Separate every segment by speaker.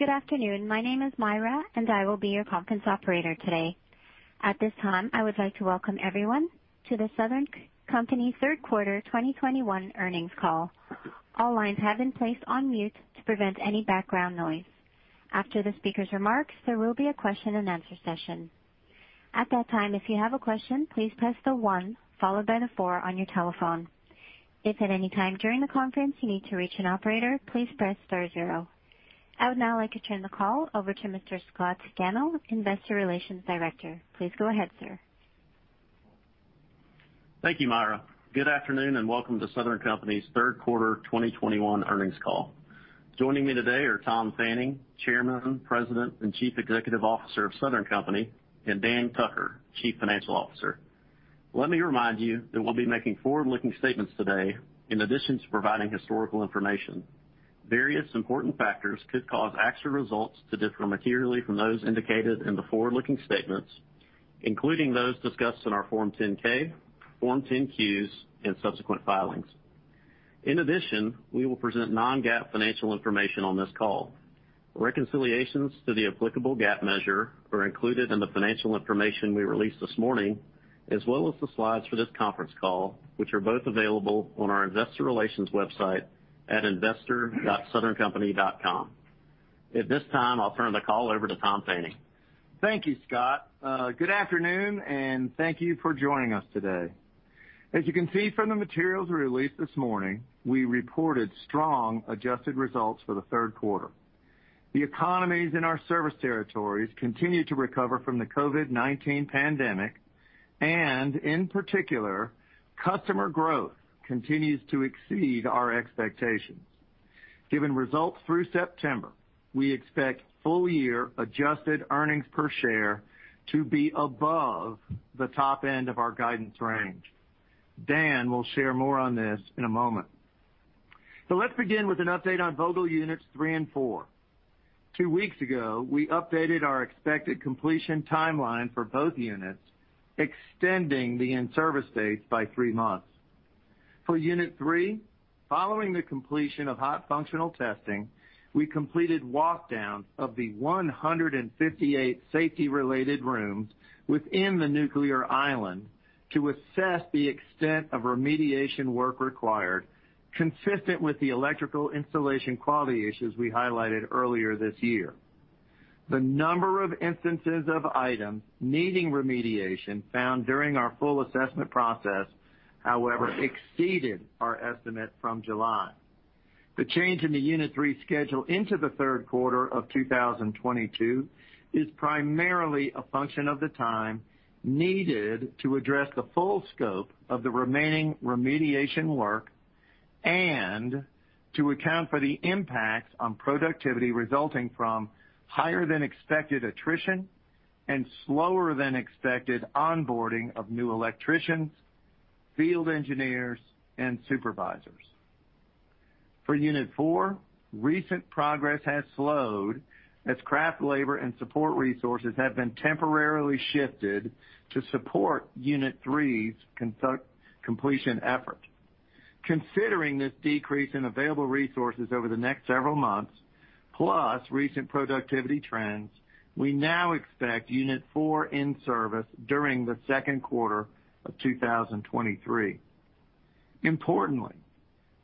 Speaker 1: Good afternoon. My name is Myra, and I will be your conference operator today. At this time, I would like to welcome everyone to the Southern Company third quarter 2021 earnings call. All lines have been placed on mute to prevent any background noise. After the speaker's remarks, there will be a question-and-answer session. At that time, if you have a question, please press the one followed by the four on your telephone. If at any time during the conference you need to reach an operator, please press star zero. I would now like to turn the call over to Mr. Scott Gammill, Investor Relations Director. Please go ahead, sir.
Speaker 2: Thank you, Myra. Good afternoon, and welcome to Southern Company's third quarter 2021 earnings call. Joining me today are Tom Fanning, Chairman, President, and Chief Executive Officer of Southern Company, and Dan Tucker, Chief Financial Officer. Let me remind you that we'll be making forward-looking statements today in addition to providing historical information. Various important factors could cause actual results to differ materially from those indicated in the forward-looking statements, including those discussed in our Form 10-K, Form 10-Qs, and subsequent filings. In addition, we will present non-GAAP financial information on this call. Reconciliations to the applicable GAAP measure are included in the financial information we released this morning, as well as the slides for this conference call, which are both available on our investor relations website at investor.southerncompany.com. At this time, I'll turn the call over to Tom Fanning.
Speaker 3: Thank you, Scott. Good afternoon, and thank you for joining us today. As you can see from the materials we released this morning, we reported strong adjusted results for the third quarter. The economies in our service territories continue to recover from the COVID-19 pandemic, and in particular, customer growth continues to exceed our expectations. Given results through September, we expect full-year adjusted earnings per share to be above the top end of our guidance range. Dan will share more on this in a moment. Let's begin with an update on Vogtle Units Three and Four. Two weeks ago, we updated our expected completion timeline for both units, extending the in-service dates by three months. For unit three, following the completion of hot functional testing, we completed walkdowns of the 158 safety-related rooms within the nuclear island to assess the extent of remediation work required, consistent with the electrical installation quality issues we highlighted earlier this year. The number of instances of items needing remediation found during our full assessment process, however, exceeded our estimate from July. The change in the unit three schedule into the third quarter of 2022 is primarily a function of the time needed to address the full scope of the remaining remediation work and to account for the impact on productivity resulting from higher than expected attrition and slower than expected onboarding of new electricians, field engineers, and supervisors. For unit four, recent progress has slowed as craft labor and support resources have been temporarily shifted to support unit three's completion effort. Considering this decrease in available resources over the next several months, plus recent productivity trends, we now expect Unit 4 in service during the second quarter of 2023. Importantly,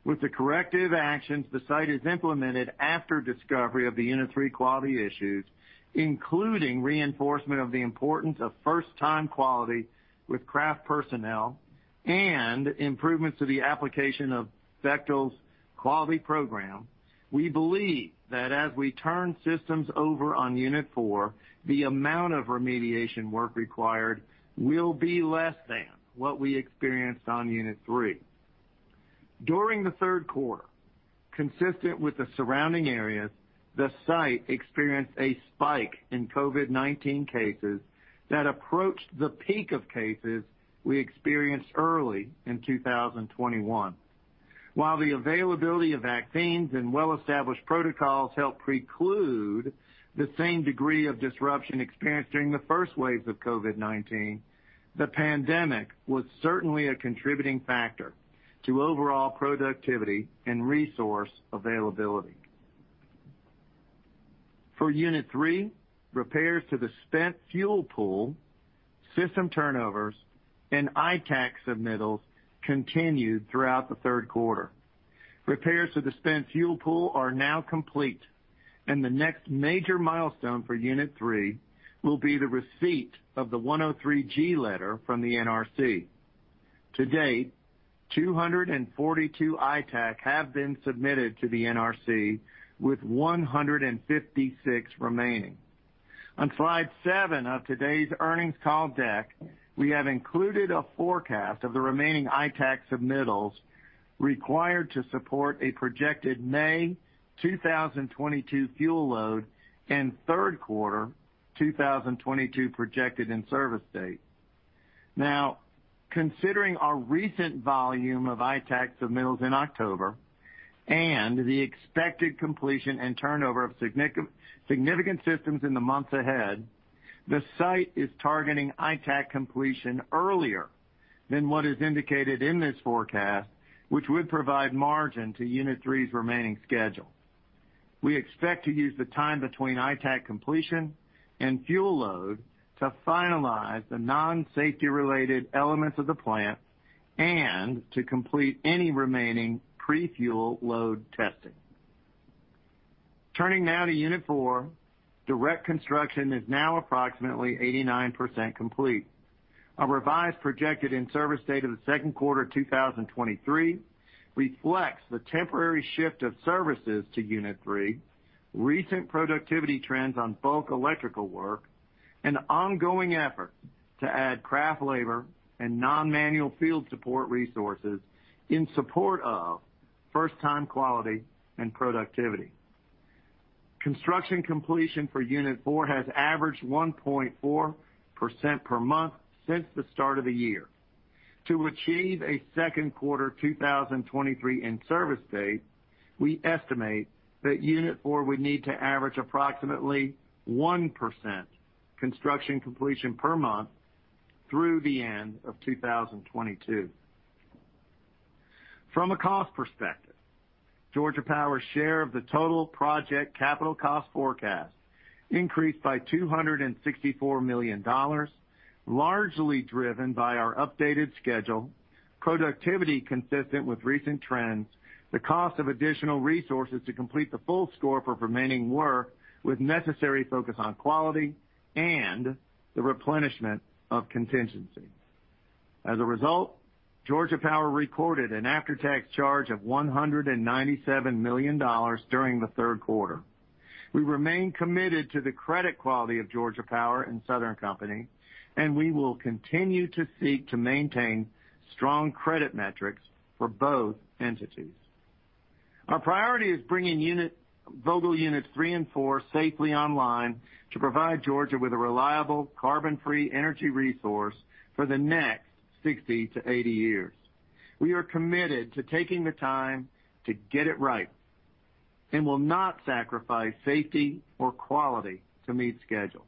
Speaker 3: with the corrective actions the site has implemented after discovery of the Unit 3 quality issues, including reinforcement of the importance of first-time quality with craft personnel and improvements to the application of Bechtel's quality program, we believe that as we turn systems over on Unit 4, the amount of remediation work required will be less than what we experienced on Unit 3. During the third quarter, consistent with the surrounding areas, the site experienced a spike in COVID-19 cases that approached the peak of cases we experienced early in 2021. While the availability of vaccines and well-established protocols helped preclude the same degree of disruption experienced during the first waves of COVID-19, the pandemic was certainly a contributing factor to overall productivity and resource availability. For Unit 3, repairs to the spent fuel pool, system turnovers, and ITAC submittals continued throughout the third quarter. Repairs to the spent fuel pool are now complete, and the next major milestone for Unit 3 will be the receipt of the 103(g) letter from the NRC. To date, 242 ITAC have been submitted to the NRC with 156 remaining. On slide seven of today's earnings call deck, we have included a forecast of the remaining ITAC submittals required to support a projected May 2022 fuel load and third quarter 2022 projected in-service date. Now, considering our recent volume of ITAC submittals in October and the expected completion and turnover of significant systems in the months ahead. The site is targeting ITAC completion earlier than what is indicated in this forecast, which would provide margin to unit three's remaining schedule. We expect to use the time between ITAC completion and fuel load to finalize the non-safety related elements of the plant and to complete any remaining pre-fuel load testing. Turning now to unit four, direct construction is now approximately 89% complete. A revised projected in-service date of the second quarter 2023 reflects the temporary shift of services to unit three, recent productivity trends on bulk electrical work, and ongoing effort to add craft labor and non-manual field support resources in support of first-time quality and productivity. Construction completion for unit four has averaged 1.4% per month since the start of the year. To achieve a second quarter 2023 in service date, we estimate that unit four would need to average approximately 1% construction completion per month through the end of 2022. From a cost perspective, Georgia Power's share of the total project capital cost forecast increased by $264 million, largely driven by our updated schedule, productivity consistent with recent trends, the cost of additional resources to complete the full scope for remaining work with necessary focus on quality, and the replenishment of contingency. As a result, Georgia Power recorded an after-tax charge of $197 million during the third quarter. We remain committed to the credit quality of Georgia Power and Southern Company, and we will continue to seek to maintain strong credit metrics for both entities. Our priority is bringing Vogtle units 3 and 4 safely online to provide Georgia with a reliable carbon-free energy resource for the next 60-80 years. We are committed to taking the time to get it right and will not sacrifice safety or quality to meet schedule.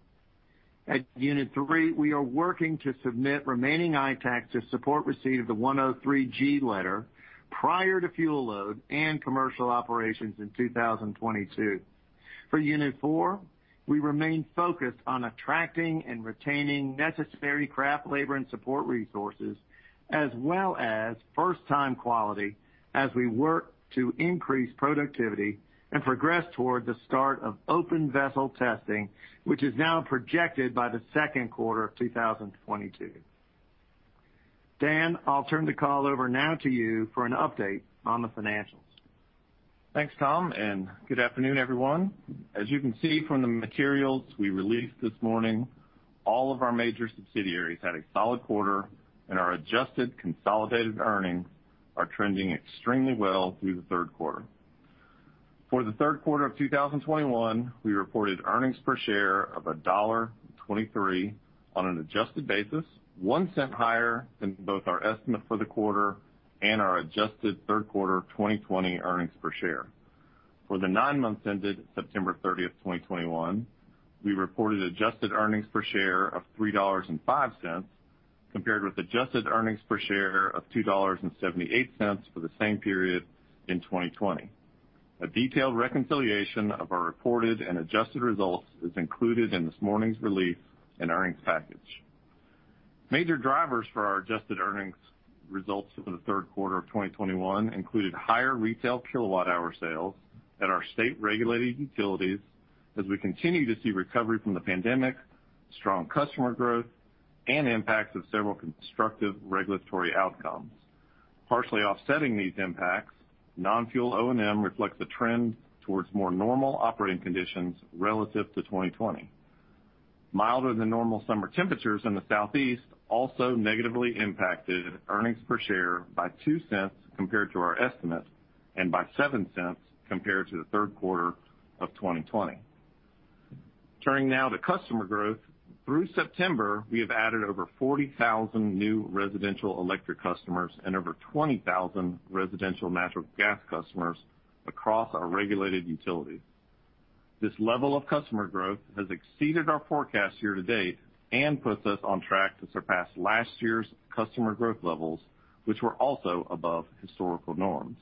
Speaker 3: At unit 3, we are working to submit remaining ITACs to support receipt of the 103(g) letter prior to fuel load and commercial operations in 2022. For unit four, we remain focused on attracting and retaining necessary craft labor and support resources, as well as first time quality as we work to increase productivity and progress toward the start of open vessel testing, which is now projected by the second quarter of 2022. Dan, I'll turn the call over now to you for an update on the financials.
Speaker 4: Thanks, Tom, and good afternoon, everyone. As you can see from the materials we released this morning, all of our major subsidiaries had a solid quarter and our adjusted consolidated earnings are trending extremely well through the third quarter. For the third quarter of 2021, we reported earnings per share of $1.23 on an adjusted basis, $0.01 higher than both our estimate for the quarter and our adjusted third quarter 2020 earnings per share. For the nine months ended September 30, 2021, we reported adjusted earnings per share of $3.05 compared with adjusted earnings per share of $2.78 for the same period in 2020. A detailed reconciliation of our reported and adjusted results is included in this morning's release and earnings package. Major drivers for our adjusted earnings results for the third quarter of 2021 included higher retail kilowatt-hour sales at our state-regulated utilities as we continue to see recovery from the pandemic, strong customer growth, and impacts of several constructive regulatory outcomes. Partially offsetting these impacts, non-fuel O&M reflects a trend towards more normal operating conditions relative to 2020. Milder than normal summer temperatures in the Southeast also negatively impacted earnings per share by two cents compared to our estimates and by seven cents compared to the third quarter of 2020. Turning now to customer growth. Through September, we have added over 40,000 new residential electric customers and over 20,000 residential natural gas customers across our regulated utilities. This level of customer growth has exceeded our forecast year to date and puts us on track to surpass last year's customer growth levels, which were also above historical norms.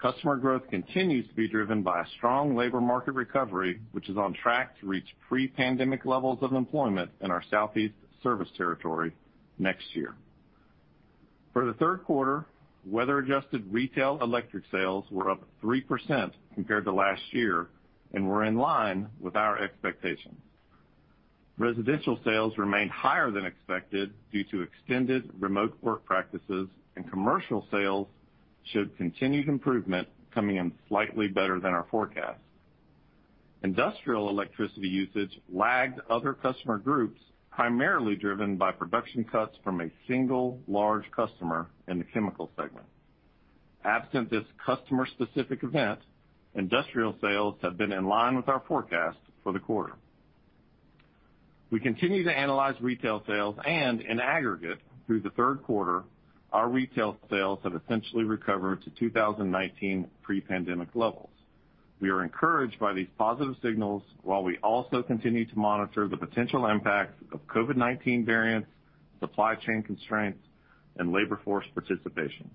Speaker 4: Customer growth continues to be driven by a strong labor market recovery, which is on track to reach pre-pandemic levels of employment in our Southeast service territory next year. For the third quarter, weather-adjusted retail electric sales were up 3% compared to last year and were in line with our expectations. Residential sales remained higher than expected due to extended remote work practices, and commercial sales showed continued improvement, coming in slightly better than our forecast. Industrial electricity usage lagged other customer groups, primarily driven by production cuts from a single large customer in the chemical segment. Absent this customer-specific event, industrial sales have been in line with our forecast for the quarter. We continue to analyze retail sales, and in aggregate through the third quarter, our retail sales have essentially recovered to 2019 pre-pandemic levels. We are encouraged by these positive signals while we also continue to monitor the potential impacts of COVID-19 variants, supply chain constraints, and labor force participation.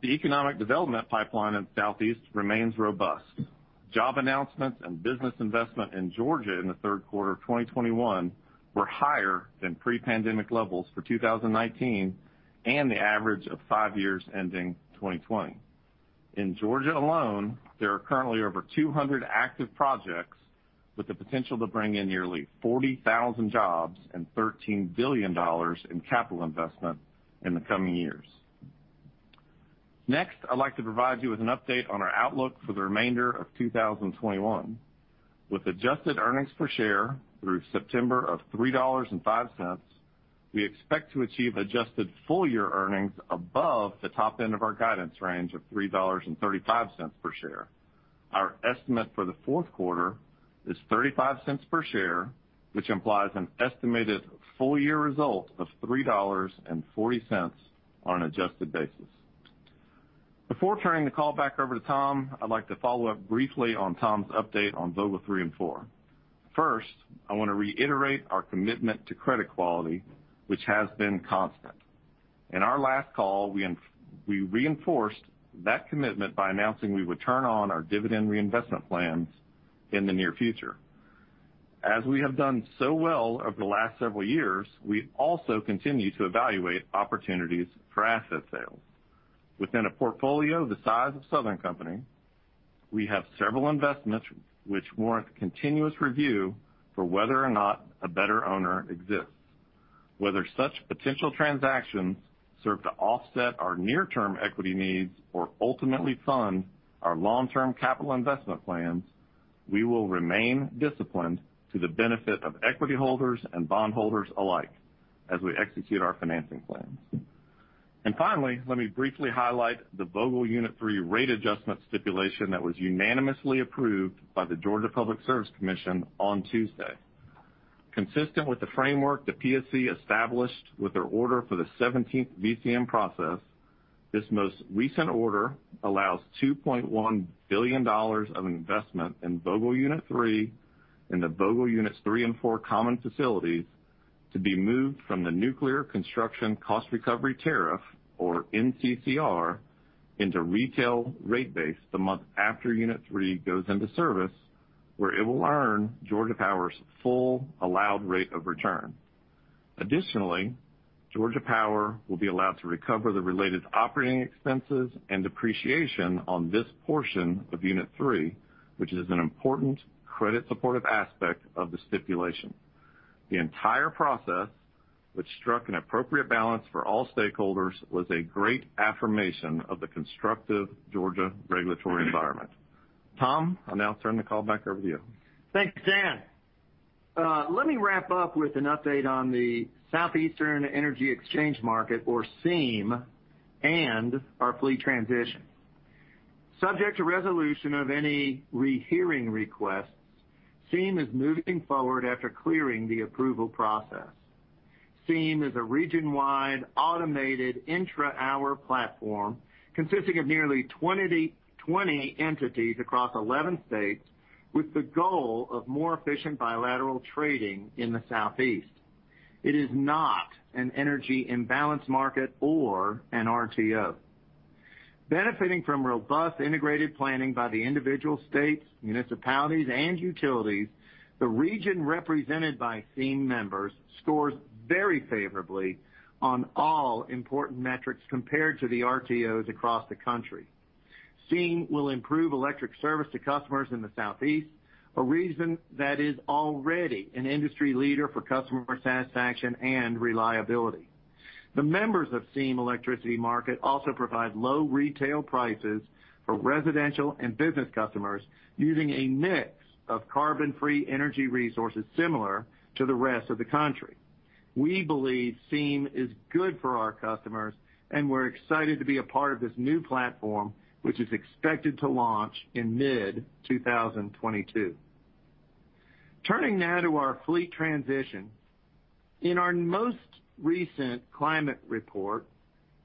Speaker 4: The economic development pipeline in Southeast remains robust. Job announcements and business investment in Georgia in the third quarter of 2021 were higher than pre-pandemic levels for 2019, and the average of five years ending 2020. In Georgia alone, there are currently over 200 active projects with the potential to bring in nearly 40,000 jobs and $13 billion in capital investment in the coming years. Next, I'd like to provide you with an update on our outlook for the remainder of 2021. With adjusted earnings per share through September of $3.05, we expect to achieve adjusted full-year earnings above the top end of our guidance range of $3.35 per share. Our estimate for the fourth quarter is $0.35 per share, which implies an estimated full-year result of $3.40 on an adjusted basis. Before turning the call back over to Tom, I'd like to follow up briefly on Tom's update on Vogtle three and four. First, I want to reiterate our commitment to credit quality, which has been constant. In our last call, we reinforced that commitment by announcing we would turn on our dividend reinvestment plans in the near future. As we have done so well over the last several years, we also continue to evaluate opportunities for asset sales. Within a portfolio the size of Southern Company, we have several investments which warrant continuous review for whether or not a better owner exists. Whether such potential transactions serve to offset our near-term equity needs or ultimately fund our long-term capital investment plans, we will remain disciplined to the benefit of equity holders and bondholders alike as we execute our financing plans. Finally, let me briefly highlight the Vogtle Unit 3 rate adjustment stipulation that was unanimously approved by the Georgia Public Service Commission on Tuesday. Consistent with the framework the PSC established with their order for the seventeenth VCM process, this most recent order allows $2.1 billion of investment in Vogtle Unit 3 and the Vogtle Units 3 and 4 common facilities to be moved from the Nuclear Construction Cost Recovery Tariff or NCCR into retail rate base the month after Unit 3 goes into service, where it will earn Georgia Power's full allowed rate of return. Additionally, Georgia Power will be allowed to recover the related operating expenses and depreciation on this portion of Unit 3, which is an important credit supportive aspect of the stipulation. The entire process, which struck an appropriate balance for all stakeholders, was a great affirmation of the constructive Georgia regulatory environment. Tom, I'll now turn the call back over to you.
Speaker 3: Thanks, Dan. Let me wrap up with an update on the Southeastern Energy Exchange Market or SEEM, and our fleet transition. Subject to resolution of any rehearing requests, SEEM is moving forward after clearing the approval process. SEEM is a region-wide automated intra-hour platform consisting of nearly 20-20 entities across 11 states with the goal of more efficient bilateral trading in the Southeast. It is not an energy imbalance market or an RTO. Benefiting from robust integrated planning by the individual states, municipalities, and utilities, the region represented by SEEM members scores very favorably on all important metrics compared to the RTOs across the country. SEEM will improve electric service to customers in the Southeast, a region that is already an industry leader for customer satisfaction and reliability. The members of SEEM Electricity Market also provide low retail prices for residential and business customers using a mix of carbon-free energy resources similar to the rest of the country. We believe SEEM is good for our customers, and we're excited to be a part of this new platform, which is expected to launch in mid-2022. Turning now to our fleet transition. In our most recent climate report,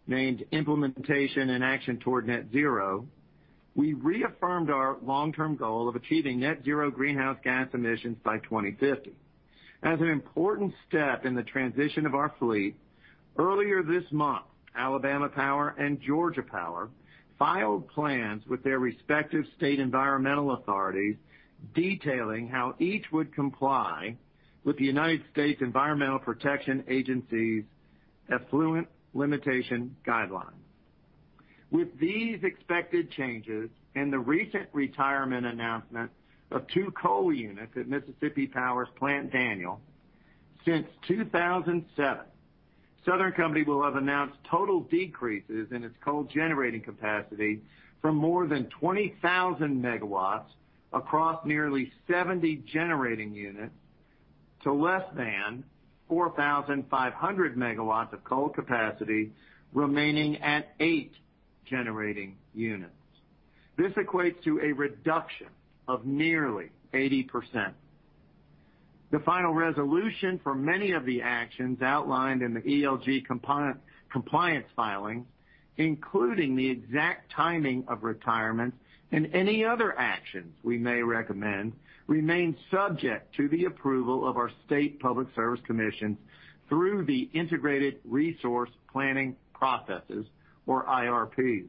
Speaker 3: named Implementation and Action Toward Net Zero, we reaffirmed our long-term goal of achieving net zero greenhouse gas emissions by 2050. As an important step in the transition of our fleet, earlier this month, Alabama Power and Georgia Power filed plans with their respective state environmental authorities detailing how each would comply with the United States Environmental Protection Agency's effluent limitation guidelines. With these expected changes and the recent retirement announcement of two coal units at Mississippi Power's Plant Daniel, since 2007, Southern Company will have announced total decreases in its coal generating capacity from more than 20,000 MW across nearly 70 generating units to less than 4,500 MW of coal capacity remaining at 8 generating units. This equates to a reduction of nearly 80%. The final resolution for many of the actions outlined in the ELG compliance filing, including the exact timing of retirement and any other actions we may recommend, remain subject to the approval of our state public service commissions through the integrated resource planning processes, or IRPs.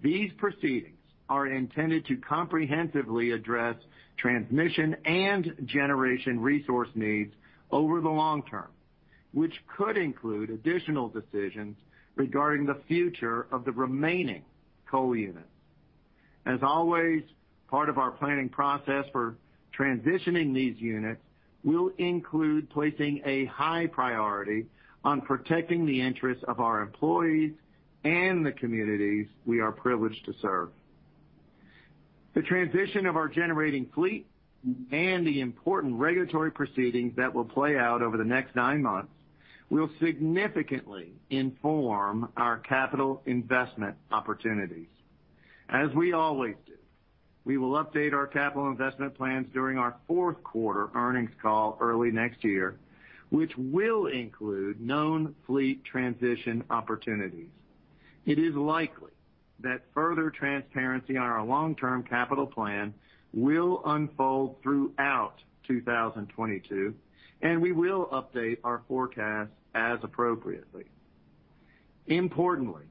Speaker 3: These proceedings are intended to comprehensively address transmission and generation resource needs over the long term, which could include additional decisions regarding the future of the remaining coal units. As always, part of our planning process for transitioning these units will include placing a high priority on protecting the interests of our employees and the communities we are privileged to serve. The transition of our generating fleet and the important regulatory proceedings that will play out over the next nine months will significantly inform our capital investment opportunities. As we always do, we will update our capital investment plans during our fourth quarter earnings call early next year, which will include known fleet transition opportunities. It is likely that further transparency on our long-term capital plan will unfold throughout 2022, and we will update our forecast as appropriate. Importantly,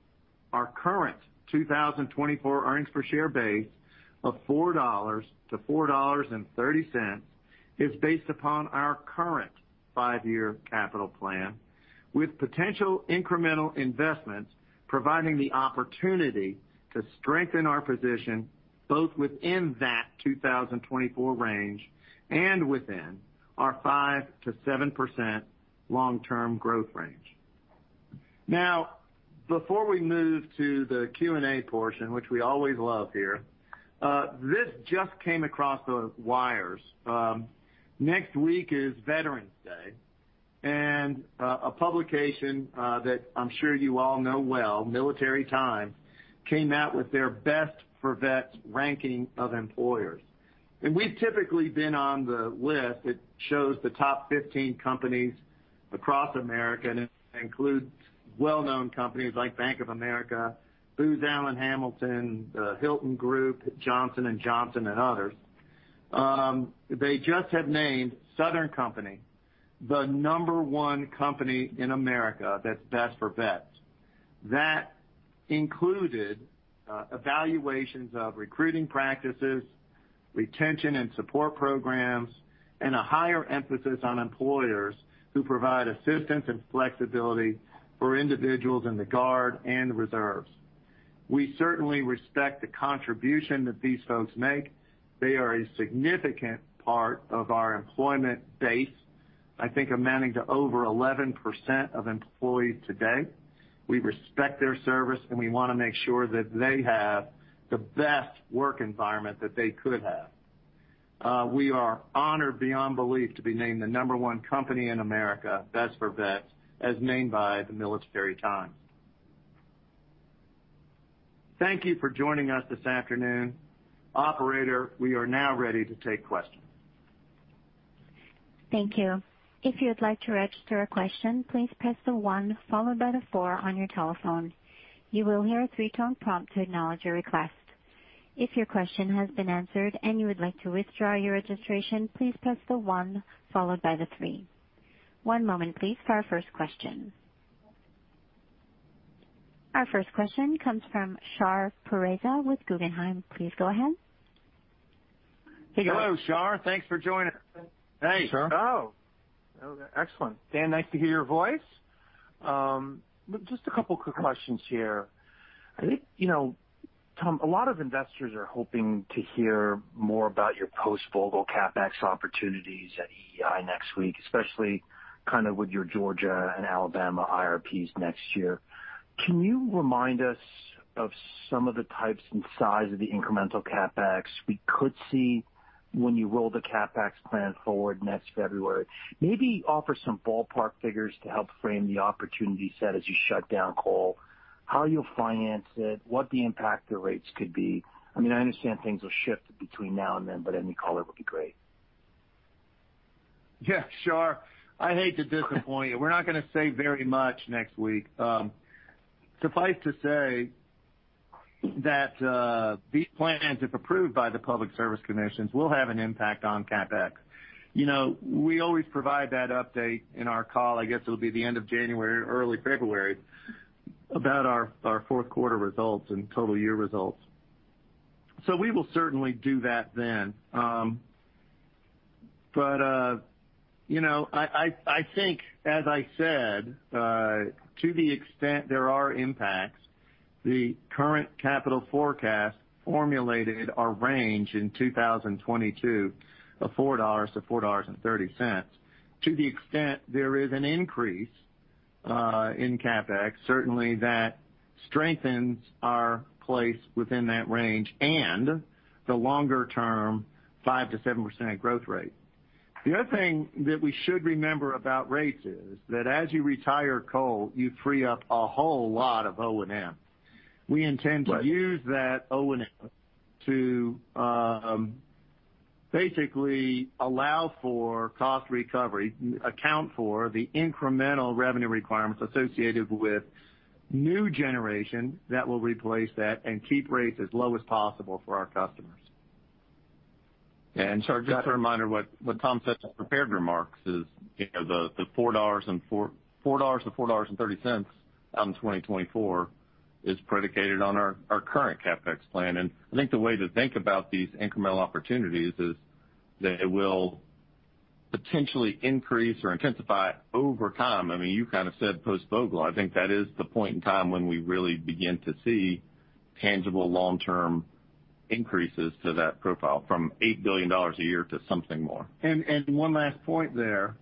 Speaker 3: our current 2024 earnings per share base of $4-$4.30 is based upon our current five-year capital plan, with potential incremental investments providing the opportunity to strengthen our position both within that 2024 range and within our 5%-7% long-term growth range. Now, before we move to the Q&A portion, which we always love here, this just came across the wires. Next week is Veterans Day, and a publication that I'm sure you all know well, Military Times, came out with their Best for Vets ranking of employers. We've typically been on the list. It shows the top 15 companies across America, and it includes well-known companies like Bank of America, Booz Allen Hamilton, Hilton, Johnson & Johnson, and others. They just have named Southern Company the number one company in America that's Best for Vets. That included evaluations of recruiting practices, retention and support programs, and a higher emphasis on employers who provide assistance and flexibility for individuals in the Guard and Reserves. We certainly respect the contribution that these folks make. They are a significant part of our employment base, I think amounting to over 11% of employees today. We respect their service, and we want to make sure that they have the best work environment that they could have. We are honored beyond belief to be named the number one company in America, Best for Vets, as named by the Military Times. Thank you for joining us this afternoon. Operator, we are now ready to take questions.
Speaker 1: Our first question comes from Shar Pourreza with Guggenheim. Please go ahead.
Speaker 3: Hey. Hello, Shar. Thanks for joining us.
Speaker 4: Hey, Shar.
Speaker 5: Oh, excellent. Dan, nice to hear your voice. Just a couple quick questions here. I think, you know, Tom, a lot of investors are hoping to hear more about your post-Vogtle CapEx opportunities at EEI next week, especially kind of with your Georgia and Alabama IRPs next year. Can you remind us of some of the types and size of the incremental CapEx we could see when you roll the CapEx plan forward next February? Maybe offer some ballpark figures to help frame the opportunity set as you shut down coal, how you'll finance it, what the impact to rates could be. I mean, I understand things will shift between now and then, but any color would be great.
Speaker 3: Yeah, Shar, I hate to disappoint you. We're not gonna say very much next week. Suffice to say that these plans, if approved by the Public Service Commissions, will have an impact on CapEx. You know, we always provide that update in our call. I guess it'll be the end of January, early February, about our fourth quarter results and total year results. We will certainly do that then. You know, I think, as I said, to the extent there are impacts, the current capital forecast formulated our range in 2022 of $4-$4.30. To the extent there is an increase in CapEx, certainly that strengthens our place within that range and the longer-term 5%-7% growth rate. The other thing that we should remember about rates is that as you retire coal, you free up a whole lot of O&M. We intend to use that O&M to, basically allow for cost recovery, account for the incremental revenue requirements associated with new generation that will replace that and keep rates as low as possible for our customers.
Speaker 4: Just a reminder what Tom said in his prepared remarks is, you know, the $4.04-$4.30 in 2024 is predicated on our current CapEx plan. I think the way to think about these incremental opportunities is they will potentially increase or intensify over time. I mean, you kind of said post Vogtle. I think that is the point in time when we really begin to see tangible long-term increases to that profile from $8 billion a year to something more.
Speaker 3: One last point there.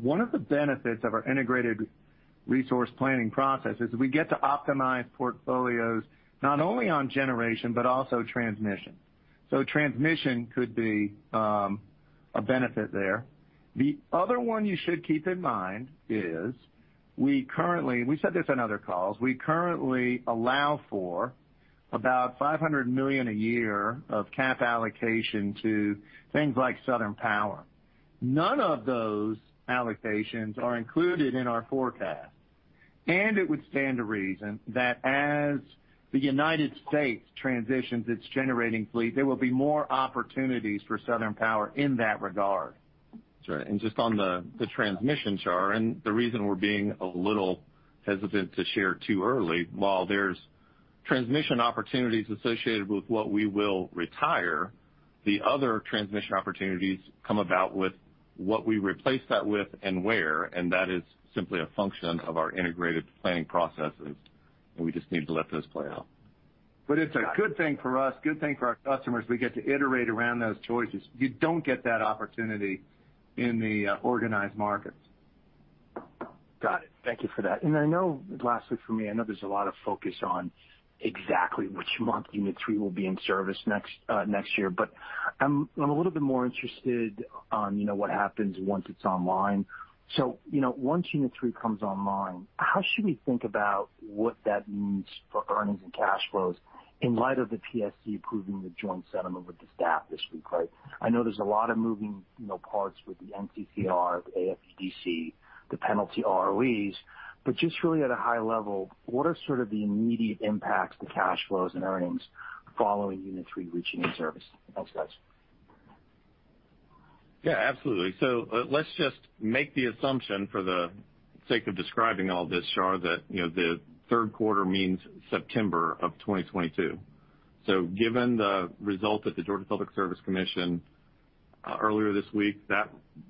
Speaker 3: One of the benefits of our integrated resource planning process is we get to optimize portfolios not only on generation but also transmission. Transmission could be a benefit there. The other one you should keep in mind is we currently allow for about $500 million a year of CapEx allocation to things like Southern Power. None of those allocations are included in our forecast. It would stand to reason that as the United States transitions its generating fleet, there will be more opportunities for Southern Power in that regard.
Speaker 4: That's right. Just on the transmission chart and the reason we're being a little hesitant to share too early, while there's transmission opportunities associated with what we will retire, the other transmission opportunities come about with what we replace that with and where, and that is simply a function of our integrated planning processes, and we just need to let those play out.
Speaker 3: It's a good thing for us, good thing for our customers. We get to iterate around those choices. You don't get that opportunity in the organized markets.
Speaker 5: Got it. Thank you for that. I know lastly for me, I know there's a lot of focus on exactly which month unit three will be in service next year. I'm a little bit more interested on, you know, what happens once it's online. You know, once unit three comes online, how should we think about what that means for earnings and cash flows in light of the PSC approving the joint settlement with the staff this week, right? I know there's a lot of moving, you know, parts with the NCCR, the AFDC, the penalty ROEs. Just really at a high level, what are sort of the immediate impacts to cash flows and earnings following unit three reaching in service? Thanks, guys.
Speaker 4: Yeah, absolutely. Let's just make the assumption for the sake of describing all this, Shar, that, you know, the third quarter means September of 2022. Given the result at the Georgia Public Service Commission earlier this week, that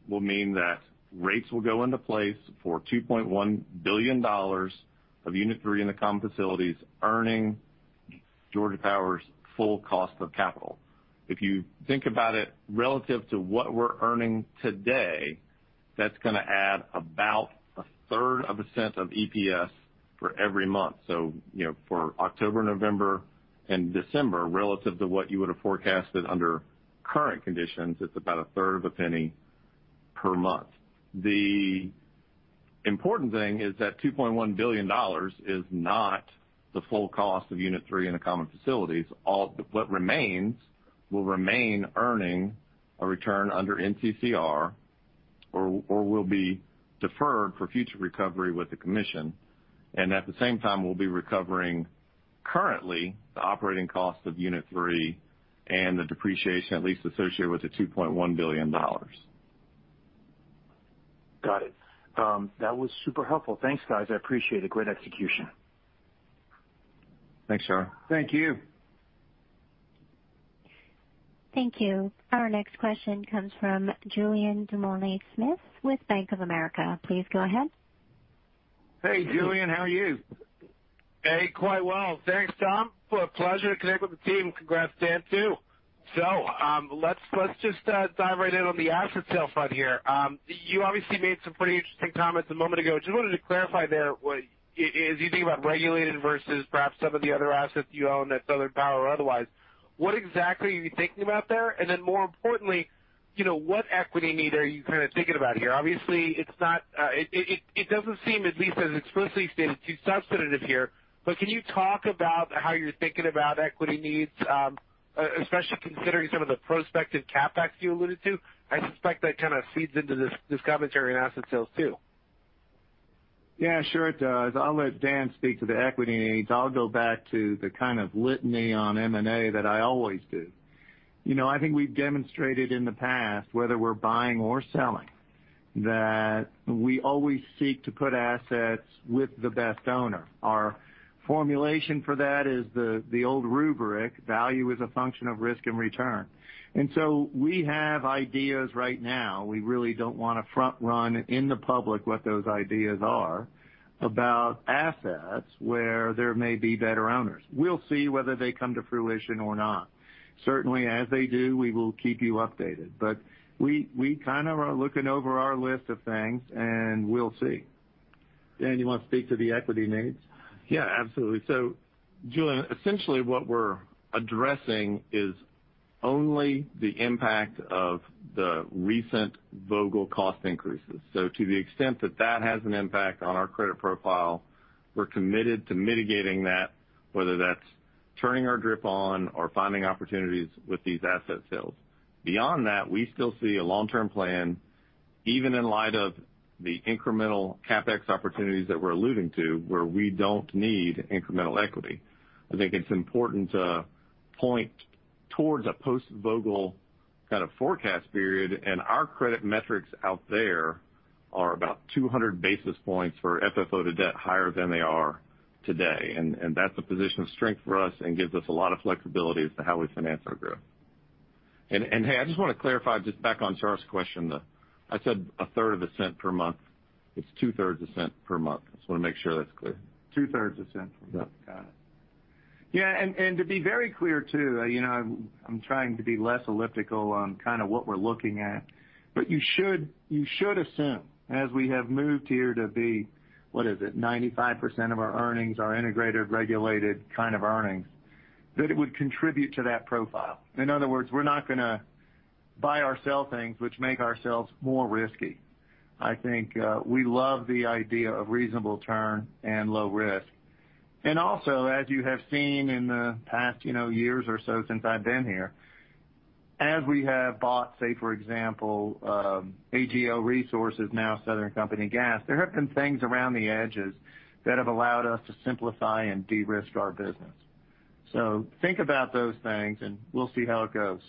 Speaker 4: will mean that rates will go into place for $2.1 billion of Unit 3 in the common facilities, earning Georgia Power's full cost of capital. If you think about it relative to what we're earning today, that's gonna add about a third of a cent of EPS for every month. You know, for October, November and December, relative to what you would have forecasted under current conditions, it's about a third of a penny per month. The important thing is that $2.1 billion is not the full cost of Unit 3 in the common facilities. What remains will remain earning a return under NCCR or will be deferred for future recovery with the commission. At the same time, we'll be recovering currently the operating cost of unit three and the depreciation at least associated with the $2.1 billion.
Speaker 5: Got it. That was super helpful. Thanks, guys. I appreciate it. Great execution.
Speaker 4: Thanks, Shar.
Speaker 3: Thank you.
Speaker 1: Thank you. Our next question comes from Julien Dumoulin-Smith with Bank of America. Please go ahead.
Speaker 3: Hey, Julien, how are you?
Speaker 6: Hey. Quite well. Thanks, Tom. A pleasure to connect with the team. Congrats, Dan, too. Let's just dive right in on the asset sale front here. You obviously made some pretty interesting comments a moment ago. Just wanted to clarify there what, as you think about regulated versus perhaps some of the other assets you own at Southern Power or otherwise, what exactly are you thinking about there? And then more importantly, you know, what equity need are you kind of thinking about here? Obviously, it's not, it doesn't seem, at least as explicitly stated, too substantive here, but can you talk about how you're thinking about equity needs, especially considering some of the prospective CapEx you alluded to? I suspect that kind of feeds into this commentary on asset sales too.
Speaker 3: Yeah, sure it does. I'll let Dan speak to the equity needs. I'll go back to the kind of litany on M&A that I always do. You know, I think we've demonstrated in the past, whether we're buying or selling, that we always seek to put assets with the best owner. Our formulation for that is the old rubric, value is a function of risk and return. We have ideas right now, we really don't want to front run in the public what those ideas are, about assets where there may be better owners. We'll see whether they come to fruition or not. Certainly, as they do, we will keep you updated. We kind of are looking over our list of things and we'll see. Dan, you want to speak to the equity needs?
Speaker 4: Yeah, absolutely. Julien, essentially what we're addressing is Only the impact of the recent Vogtle cost increases. To the extent that that has an impact on our credit profile, we're committed to mitigating that, whether that's turning our DRIP on or finding opportunities with these asset sales. Beyond that, we still see a long-term plan, even in light of the incremental CapEx opportunities that we're alluding to, where we don't need incremental equity. I think it's important to point towards a post-Vogtle kind of forecast period, and our credit metrics out there are about 200 basis points for FFO to debt higher than they are today. That's a position of strength for us and gives us a lot of flexibility as to how we finance our growth. Hey, I just wanna clarify, just back on Shar's question, I said a third of a cent per month. It's two-thirds a cent per month. I just wanna make sure that's clear.
Speaker 3: Two-thirds of a cent per month.
Speaker 6: Yeah.
Speaker 3: Got it. Yeah, and to be very clear too, you know, I'm trying to be less elliptical on kind of what we're looking at. You should assume, as we have moved here to be, what is it? 95% of our earnings are integrated, regulated kind of earnings, that it would contribute to that profile. In other words, we're not gonna buy or sell things which make ourselves more risky. I think, we love the idea of reasonable turn and low risk. Also, as you have seen in the past, you know, years or so since I've been here, as we have bought, say, for example, AGL Resources, now Southern Company Gas, there have been things around the edges that have allowed us to simplify and de-risk our business. Think about those things, and we'll see how it goes.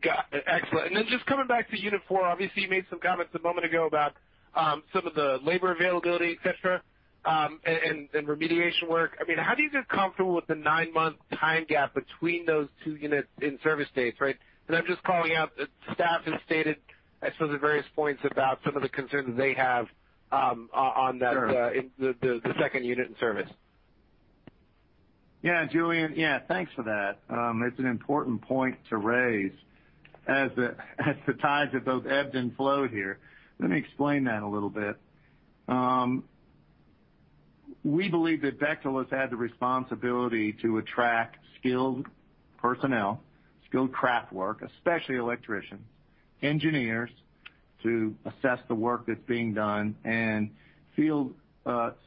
Speaker 6: Got it. Excellent. Just coming back to Unit Four, obviously you made some comments a moment ago about some of the labor availability, et cetera, and remediation work. I mean, how do you get comfortable with the nine-month time gap between those two units in service dates, right? Because I'm just calling out that staff has stated, I suppose, at various points about some of the concerns they have on that.
Speaker 3: Sure.
Speaker 6: in the second unit in service.
Speaker 3: Yeah, Julien. Yeah, thanks for that. It's an important point to raise as the tides have both ebbed and flowed here. Let me explain that a little bit. We believe that Bechtel has had the responsibility to attract skilled personnel, skilled craftwork, especially electricians, engineers to assess the work that's being done, and field,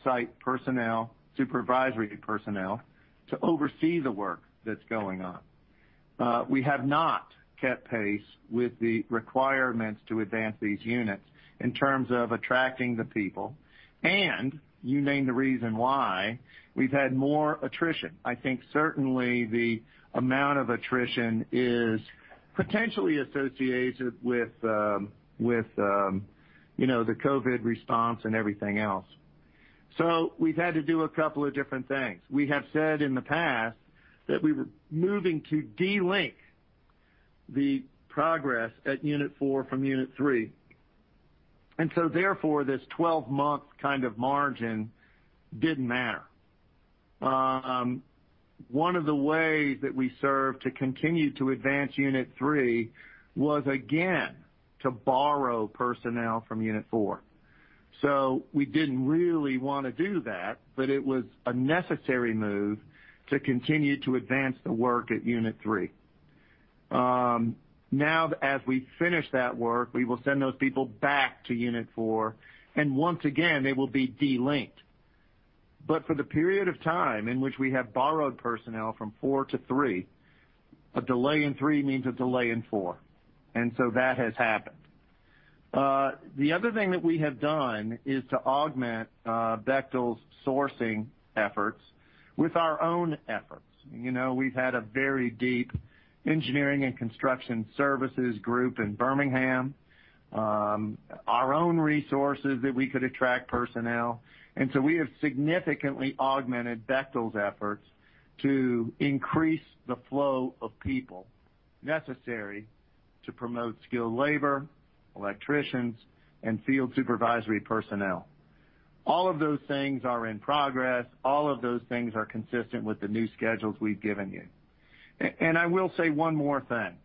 Speaker 3: site personnel, supervisory personnel to oversee the work that's going on. We have not kept pace with the requirements to advance these units in terms of attracting the people, and you named the reason why. We've had more attrition. I think certainly the amount of attrition is potentially associated with, you know, the COVID response and everything else. We've had to do a couple of different things. We have said in the past that we were moving to delink the progress at unit 4 from unit 3, and so therefore, this 12-month kind of margin didn't matter. One of the ways that we sought to continue to advance unit 3 was, again, to borrow personnel from unit 4. We didn't really wanna do that, but it was a necessary move to continue to advance the work at unit 3. Now as we finish that work, we will send those people back to unit 4, and once again, they will be delinked. For the period of time in which we have borrowed personnel from four to three, a delay in three means a delay in four, and so that has happened. The other thing that we have done is to augment Bechtel's sourcing efforts with our own efforts. You know, we've had a very deep engineering and construction services group in Birmingham, our own resources that we could attract personnel. We have significantly augmented Bechtel's efforts to increase the flow of people necessary to promote skilled labor, electricians, and field supervisory personnel. All of those things are in progress. All of those things are consistent with the new schedules we've given you. I will say one more thing.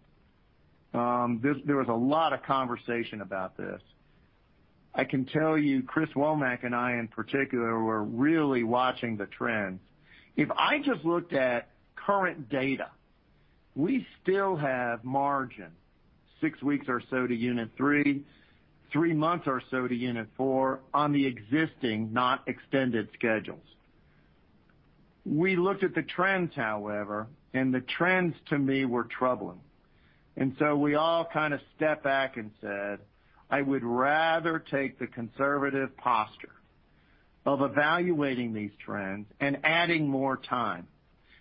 Speaker 3: There was a lot of conversation about this. I can tell you, Chris Womack and I in particular were really watching the trends. If I just looked at current data, we still have margin six weeks or so to unit three months or so to unit four on the existing, not extended schedules. We looked at the trends, however, and the trends to me were troubling. We all kind of stepped back and said, "I would rather take the conservative posture of evaluating these trends and adding more time,"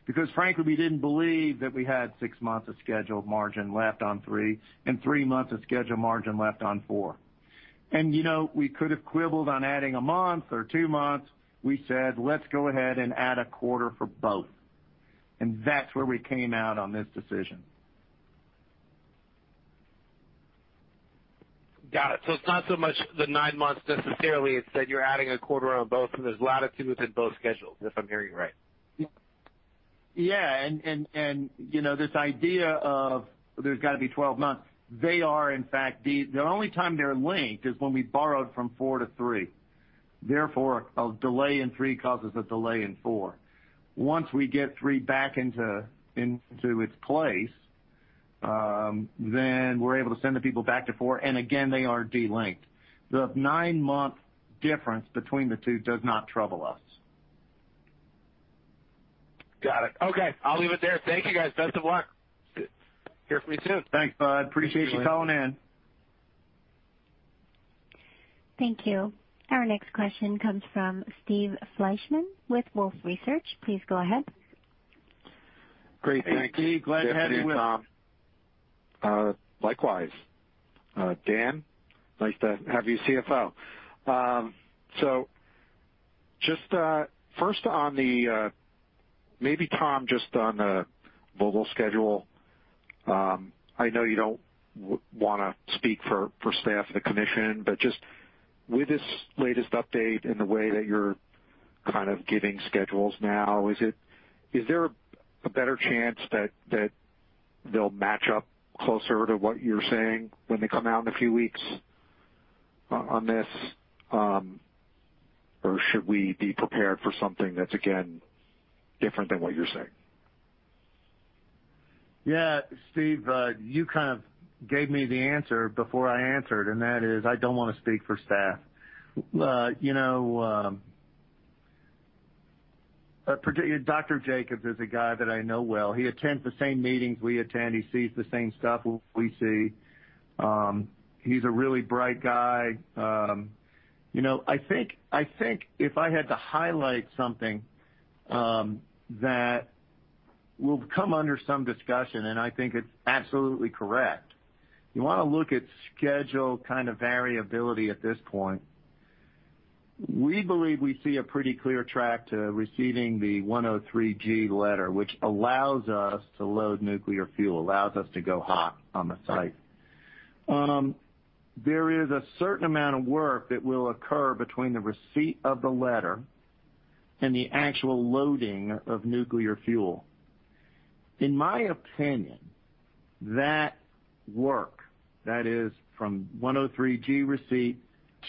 Speaker 3: because frankly, we didn't believe that we had six months of scheduled margin left on three and three months of scheduled margin left on four. You know, we could have quibbled on adding a month or two months. We said, "Let's go ahead and add a quarter for both." That's where we came out on this decision.
Speaker 6: Got it. It's not so much the nine months necessarily. It's that you're adding a quarter on both, and there's latitude within both schedules, if I'm hearing you right.
Speaker 3: Yeah. You know, this idea of there's gotta be 12 months, they are in fact the only time they're linked is when we borrowed from four to three. Therefore, a delay in three causes a delay in four. Once we get three back into its place, then we're able to send the people back to four, and again, they are delinked. The nine-month difference between the two does not trouble us.
Speaker 6: Got it. Okay, I'll leave it there. Thank you, guys. Best of luck. Here for you too.
Speaker 3: Thanks, Bud. Appreciate you calling in.
Speaker 1: Thank you. Our next question comes from Steve Fleishman with Wolfe Research. Please go ahead.
Speaker 7: Great. Thank you.
Speaker 3: Hey, Steve. Glad to have you with us.
Speaker 7: Likewise. Dan, nice to have you, CFO. Just first on the, maybe Tom, just on the Vogtle schedule, I know you don't want to speak for staff, the commission, but just with this latest update in the way that you're kind of giving schedules now, is there a better chance that they'll match up closer to what you're saying when they come out in a few weeks on this? Or should we be prepared for something that's, again, different than what you're saying?
Speaker 3: Yeah. Steve, you kind of gave me the answer before I answered, and that is, I don't want to speak for staff. You know, particularly Dr. Jacobs is a guy that I know well. He attends the same meetings we attend. He sees the same stuff we see. He's a really bright guy. You know, I think if I had to highlight something that will come under some discussion, and I think it's absolutely correct. You want to look at schedule kind of variability at this point. We believe we see a pretty clear track to receiving the 103(g) letter, which allows us to load nuclear fuel, allows us to go hot on the site. There is a certain amount of work that will occur between the receipt of the letter and the actual loading of nuclear fuel. In my opinion, that work, that is from 103(g) receipt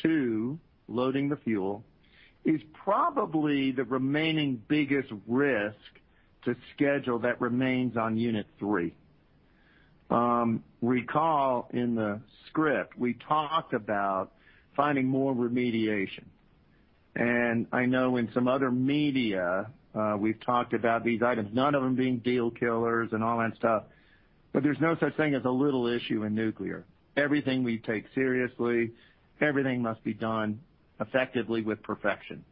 Speaker 3: to loading the fuel, is probably the remaining biggest risk to schedule that remains on Unit 3. Recall in the script, we talked about finding more remediation. I know in some other media, we've talked about these items, none of them being deal killers and all that stuff. There's no such thing as a little issue in nuclear. Everything we take seriously, everything must be done effectively with perfection.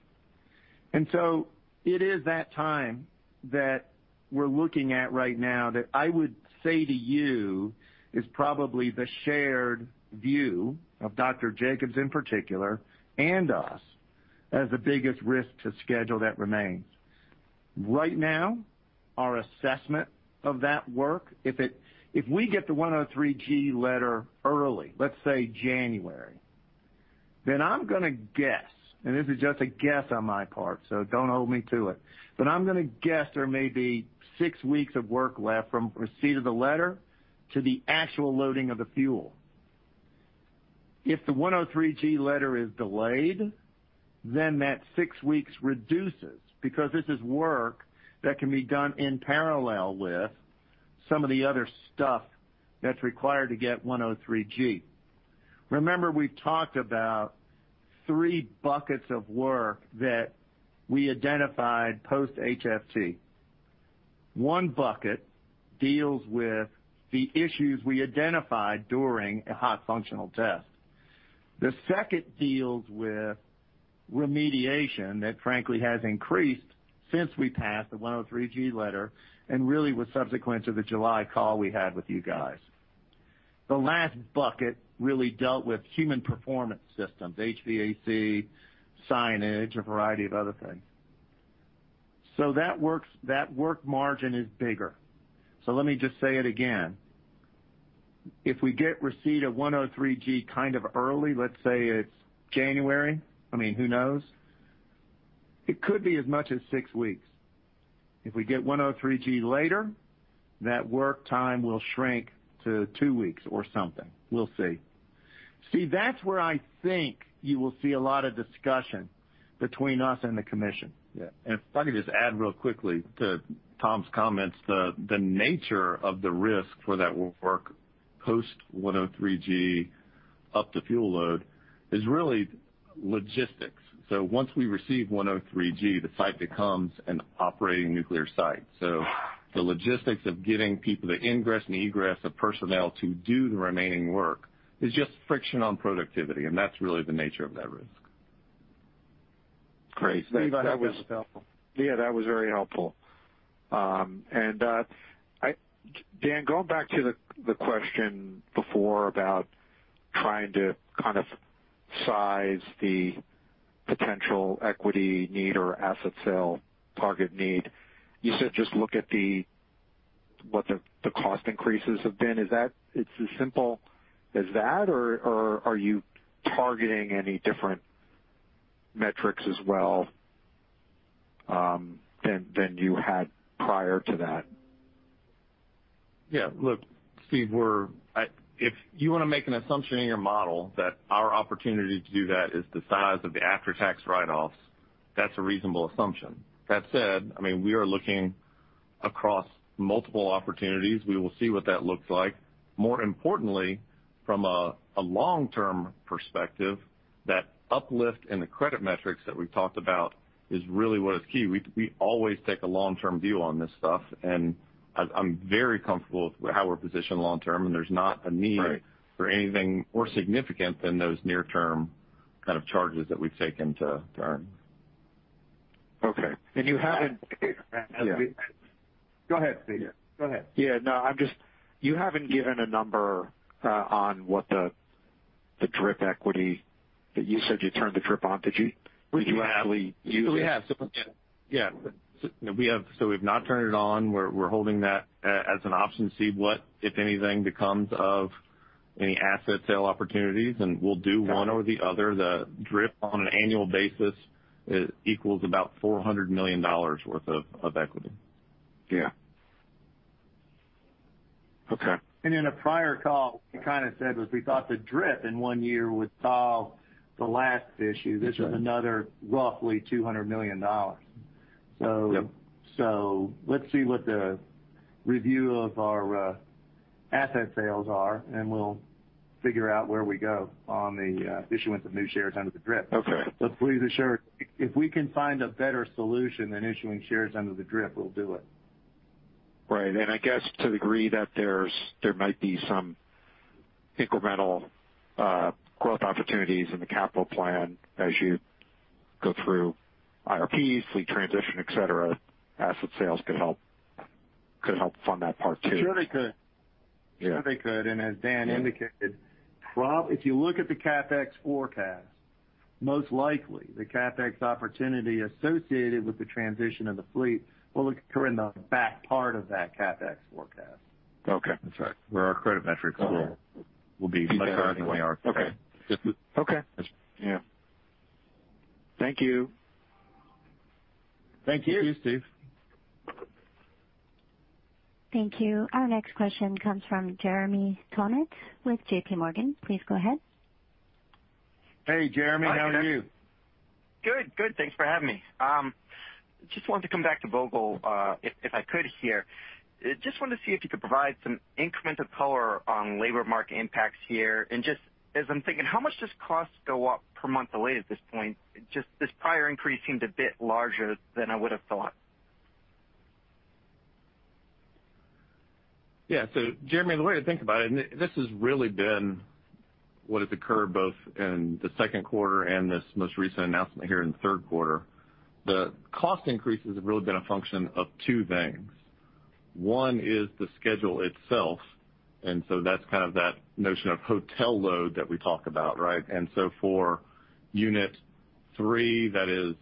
Speaker 3: It is that time that we're looking at right now that I would say to you is probably the shared view of Dr. Jacobs in particular and us as the biggest risk to schedule that remains. Right now, our assessment of that work, if we get the 103(g) letter early, let's say January, then I'm gonna guess, and this is just a guess on my part, so don't hold me to it, but I'm gonna guess there may be six weeks of work left from receipt of the letter to the actual loading of the fuel. If the 103(g) letter is delayed, then that six weeks reduces because this is work that can be done in parallel with some of the other stuff that's required to get 103(g). Remember, we've talked about three buckets of work that we identified post HFT. One bucket deals with the issues we identified during a hot functional test. The second deals with remediation that frankly has increased since we passed the 103(g) letter and really was subsequent to the July call we had with you guys. The last bucket really dealt with human performance systems, HVAC, signage, a variety of other things. That work margin is bigger. Let me just say it again. If we get receipt of 103(g) kind of early, let's say it's January, I mean, who knows? It could be as much as six weeks. If we get 103(g) later, that work time will shrink to two weeks or something. We'll see. See, that's where I think you will see a lot of discussion between us and the commission.
Speaker 4: Yeah. If I could just add really quickly to Tom's comments, the nature of the risk for that work post 103(g) up to fuel load is really logistics. Once we receive 103(g), the site becomes an operating nuclear site. The logistics of getting people to ingress and egress of personnel to do the remaining work is just friction on productivity, and that's really the nature of that risk.
Speaker 3: Great.
Speaker 7: Steve, that was helpful. Yeah, that was very helpful. Dan, going back to the question before about trying to kind of size the potential equity need or asset sale target need, you said, just look at what the cost increases have been. It's as simple as that, or are you targeting any different metrics as well than you had prior to that?
Speaker 4: Yeah. Look, Steve, if you wanna make an assumption in your model that our opportunity to do that is the size of the after-tax write-offs, that's a reasonable assumption. That said, I mean, we are looking across multiple opportunities. We will see what that looks like. More importantly, from a long-term perspective, that uplift in the credit metrics that we've talked about is really what is key. We always take a long-term view on this stuff, and I'm very comfortable with how we're positioned long term, and there's not a need.
Speaker 7: Right.
Speaker 4: for anything more significant than those near-term kind of charges that we've taken to earn.
Speaker 7: Okay. You haven't
Speaker 4: Yeah.
Speaker 7: Go ahead, Steve. Go ahead.
Speaker 4: Yeah, no. I'm just, you haven't given a number on what the DRIP equity. You said you turned the DRIP on. Did you-
Speaker 7: We have.
Speaker 4: Did you actually use it?
Speaker 7: We have.
Speaker 4: Yeah. We've not turned it on. We're holding that as an option to see what, if anything, becomes of any asset sale opportunities, and we'll do one or the other. The DRIP on an annual basis equals about $400 million worth of equity.
Speaker 7: Yeah. Okay.
Speaker 3: In a prior call, we kinda said we thought the DRIP in one year would solve the last issue.
Speaker 7: Okay.
Speaker 3: This is another roughly $200 million.
Speaker 7: Yep.
Speaker 3: Let's see what the review of our asset sales are, and we'll figure out where we go on the issuance of new shares under the DRIP.
Speaker 7: Okay.
Speaker 3: Please assure, if we can find a better solution than issuing shares under the DRIP, we'll do it.
Speaker 7: Right. I guess to the degree that there might be some incremental growth opportunities in the capital plan as you go through IRPs, fleet transition, et cetera, asset sales could help fund that part too.
Speaker 3: Sure they could.
Speaker 7: Yeah.
Speaker 3: Sure they could. As Dan indicated, Rob, if you look at the CapEx forecast, most likely the CapEx opportunity associated with the transition of the fleet will occur in the back part of that CapEx forecast.
Speaker 7: Okay.
Speaker 4: That's right. Where our credit metrics will be much higher than they are today.
Speaker 7: Okay.
Speaker 4: Yeah.
Speaker 7: Thank you.
Speaker 3: Thank you.
Speaker 4: Thank you, Steve.
Speaker 1: Thank you. Our next question comes from Jeremy Tonet with JPMorgan. Please go ahead.
Speaker 3: Hey, Jeremy. How are you?
Speaker 8: Good. Thanks for having me. Just wanted to come back to Vogtle, if I could here. Just wanted to see if you could provide some incremental color on labor market impacts here. Just as I'm thinking, how much does cost go up per month delayed at this point? Just this prior increase seemed a bit larger than I would have thought.
Speaker 4: Yeah. Jeremy, the way to think about it, and this has really been what has occurred both in the second quarter and this most recent announcement here in the third quarter, the cost increases have really been a function of two things. One is the schedule itself, and that's kind of that notion of hotel load that we talk about, right? For unit three, that is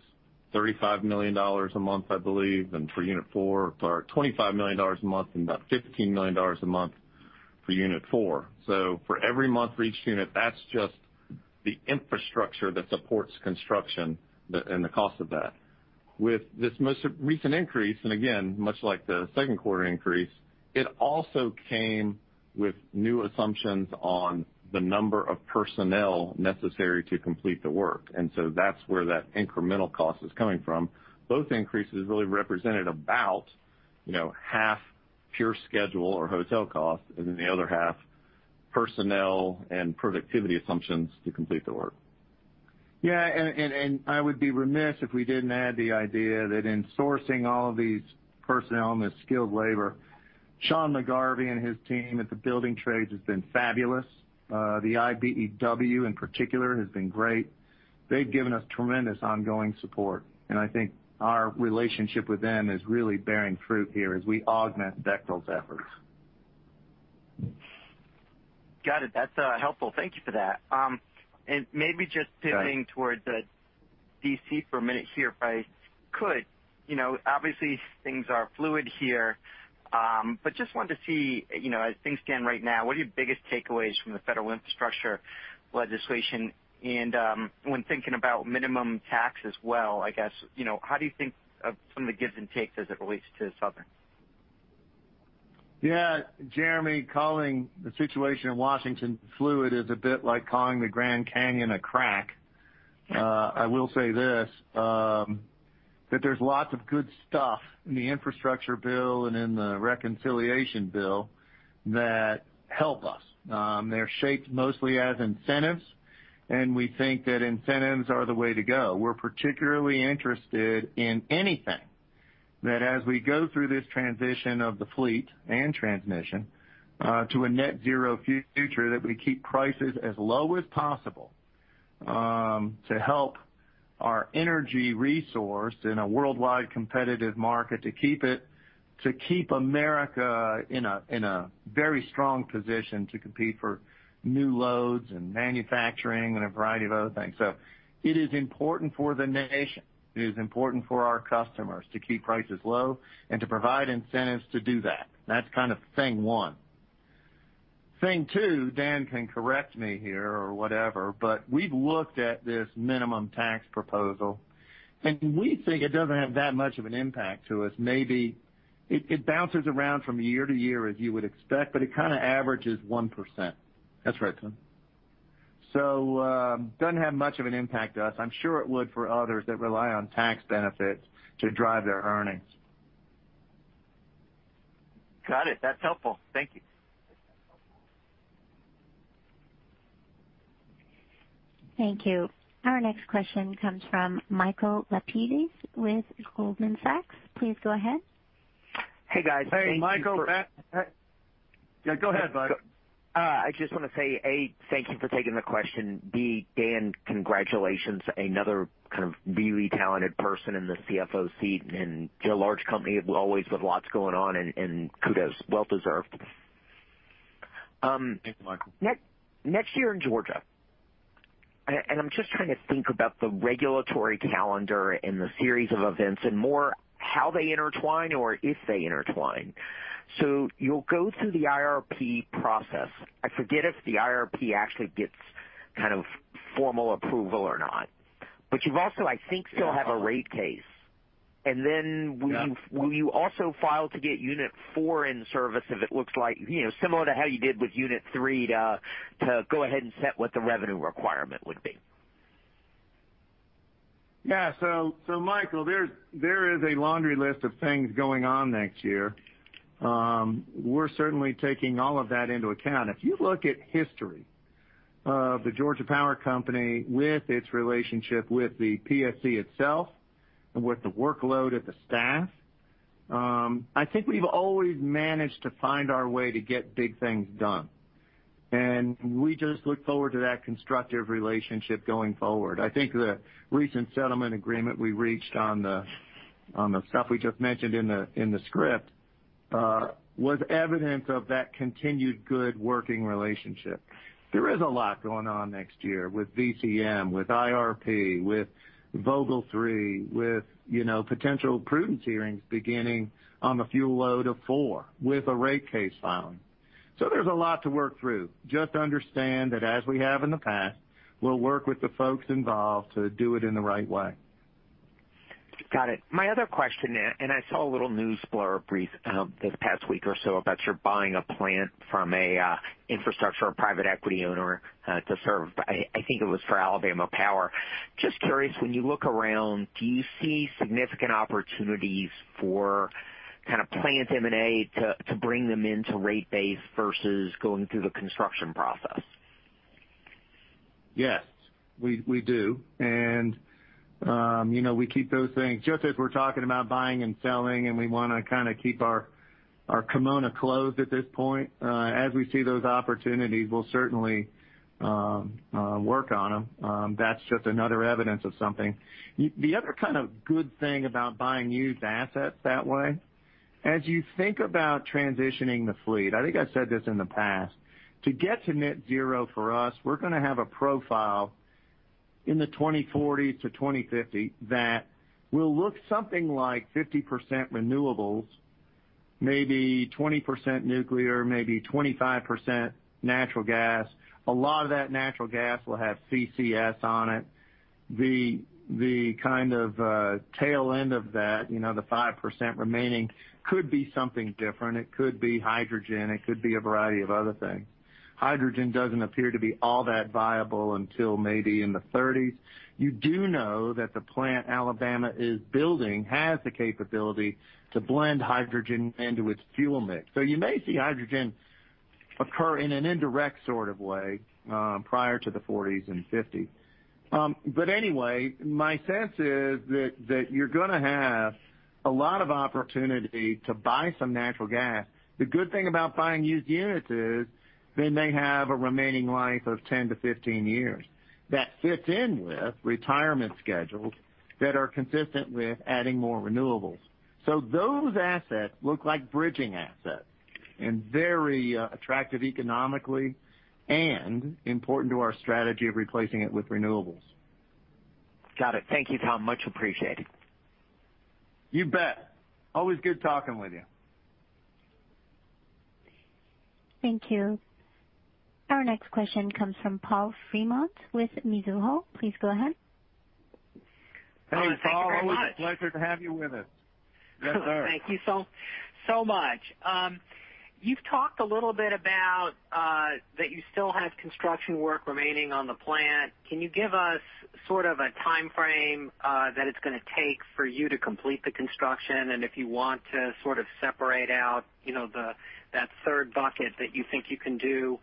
Speaker 4: $35 million a month, I believe, and for unit four, $25 million a month and about $15 million a month for unit four. For every month for each unit, that's just the infrastructure that supports construction and the cost of that. With this most recent increase, and again, much like the second quarter increase, it also came with new assumptions on the number of personnel necessary to complete the work. that's where that incremental cost is coming from. Both increases really represented about, you know, half pure schedule or hotel costs, and then the other half, personnel and productivity assumptions to complete the work.
Speaker 3: I would be remiss if we didn't add the idea that in sourcing all of these personnel and this skilled labor, Sean McGarvey and his team at the Building Trades has been fabulous. The IBEW in particular has been great. They've given us tremendous ongoing support, and I think our relationship with them is really bearing fruit here as we augment Bechtel's efforts.
Speaker 8: Got it. That's helpful. Thank you for that. Maybe just pivoting.
Speaker 3: Go ahead.
Speaker 8: Towards D.C. for a minute here, if I could. You know, obviously, things are fluid here, but just wanted to see, you know, as things stand right now, what are your biggest takeaways from the federal infrastructure legislation? When thinking about minimum tax as well, I guess, you know, how do you think of some of the gives and takes as it relates to Southern?
Speaker 3: Yeah, Jeremy, calling the situation in Washington fluid is a bit like calling the Grand Canyon a crack. I will say this, that there's lots of good stuff in the infrastructure bill and in the reconciliation bill that help us. They're shaped mostly as incentives, and we think that incentives are the way to go. We're particularly interested in anything that as we go through this transition of the fleet and transmission, to a Net Zero future, that we keep prices as low as possible, to help our energy resource in a worldwide competitive market, to keep America in a, in a very strong position to compete for new loads and manufacturing and a variety of other things. It is important for the nation, it is important for our customers to keep prices low and to provide incentives to do that. That's kind of thing one. Thing two, Dan can correct me here or whatever, but we've looked at this minimum tax proposal, and we think it doesn't have that much of an impact to us. Maybe it bounces around from year to year, as you would expect, but it kind of averages 1%.
Speaker 4: That's right, Tom.
Speaker 3: It doesn't have much of an impact to us. I'm sure it would for others that rely on tax benefits to drive their earnings.
Speaker 9: Got it. That's helpful. Thank you.
Speaker 1: Thank you. Our next question comes from Michael Lapides with Goldman Sachs. Please go ahead.
Speaker 10: Hey, guys.
Speaker 3: Hey, Michael.
Speaker 4: Hey.
Speaker 3: Yeah, go ahead, Mike.
Speaker 10: I just want to say, A, thank you for taking the question. B, Dan, congratulations. Another kind of really talented person in the CFO seat and a large company always with lots going on and kudos well deserved.
Speaker 4: Thanks, Michael.
Speaker 10: Next year in Georgia, and I'm just trying to think about the regulatory calendar and the series of events and more how they intertwine or if they intertwine. You'll go through the IRP process. I forget if the IRP actually gets kind of formal approval or not, but you've also, I think, still have a rate case.
Speaker 3: Yeah.
Speaker 10: Will you also file to get unit four in service if it looks like, you know, similar to how you did with unit three to go ahead and set what the revenue requirement would be?
Speaker 3: Yeah. Michael, there is a laundry list of things going on next year. We're certainly taking all of that into account. If you look at history of the Georgia Power Company with its relationship with the PSC itself and with the workload of the staff, I think we've always managed to find our way to get big things done, and we just look forward to that constructive relationship going forward. I think the recent settlement agreement we reached on the stuff we just mentioned in the script was evident of that continued good working relationship. There is a lot going on next year with VCM, with IRP, with Vogtle three, with potential prudence hearings beginning on the fuel load of four with a rate case filing. There's a lot to work through. Just understand that as we have in the past, we'll work with the folks involved to do it in the right way.
Speaker 10: Got it. My other question, and I saw a little news blurb brief, this past week or so about you're buying a plant from a infrastructure or private equity owner, to serve, I think it was for Alabama Power. Just curious, when you look around, do you see significant opportunities for kind of plant M&A to bring them into rate base versus going through the construction process?
Speaker 3: Yes, we do. You know, we keep those things just as we're talking about buying and selling, and we want to kind of keep our kimono closed at this point. As we see those opportunities, we'll certainly work on them. That's just another evidence of something. The other kind of good thing about buying used assets that way, as you think about transitioning the fleet, I think I said this in the past, to get to net zero for us, we're going to have a profile in the 2040 to 2050 that will look something like 50% renewables, maybe 20% nuclear, maybe 25% natural gas. A lot of that natural gas will have CCS on it. The kind of tail end of that, you know, the 5% remaining could be something different. It could be hydrogen. It could be a variety of other things. Hydrogen doesn't appear to be all that viable until maybe in the thirties. You do know that the plant Alabama is building has the capability to blend hydrogen into its fuel mix. You may see hydrogen occur in an indirect sort of way, prior to the forties and fifties. Anyway, my sense is that you're gonna have a lot of opportunity to buy some natural gas. The good thing about buying used units is then they have a remaining life of 10-15 years that fits in with retirement schedules that are consistent with adding more renewables. Those assets look like bridging assets and very attractive economically and important to our strategy of replacing it with renewables.
Speaker 10: Got it. Thank you, Tom. Much appreciated.
Speaker 3: You bet. Always good talking with you.
Speaker 1: Thank you. Our next question comes from Paul Fremont with Mizuho. Please go ahead.
Speaker 4: Hey, Paul. Thank you very much. Always a pleasure to have you with us.
Speaker 11: Yes, sir. Thank you so much. You've talked a little bit about that you still have construction work remaining on the plant. Can you give us sort of a timeframe that it's gonna take for you to complete the construction? If you want to sort of separate out, you know, that third bucket that you think you can do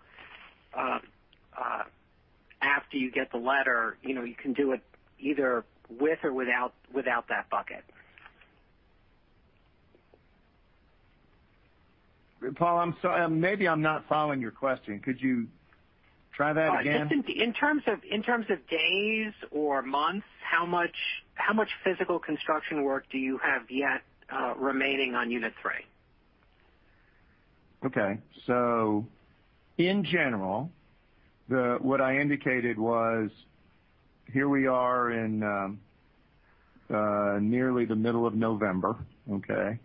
Speaker 11: after you get the letter, you know, you can do it either with or without that bucket.
Speaker 3: Paul, I'm sorry. Maybe I'm not following your question. Could you try that again?
Speaker 11: Just in terms of days or months, how much physical construction work do you have yet remaining on unit three?
Speaker 3: Okay. In general, here we are in nearly the middle of November. Okay?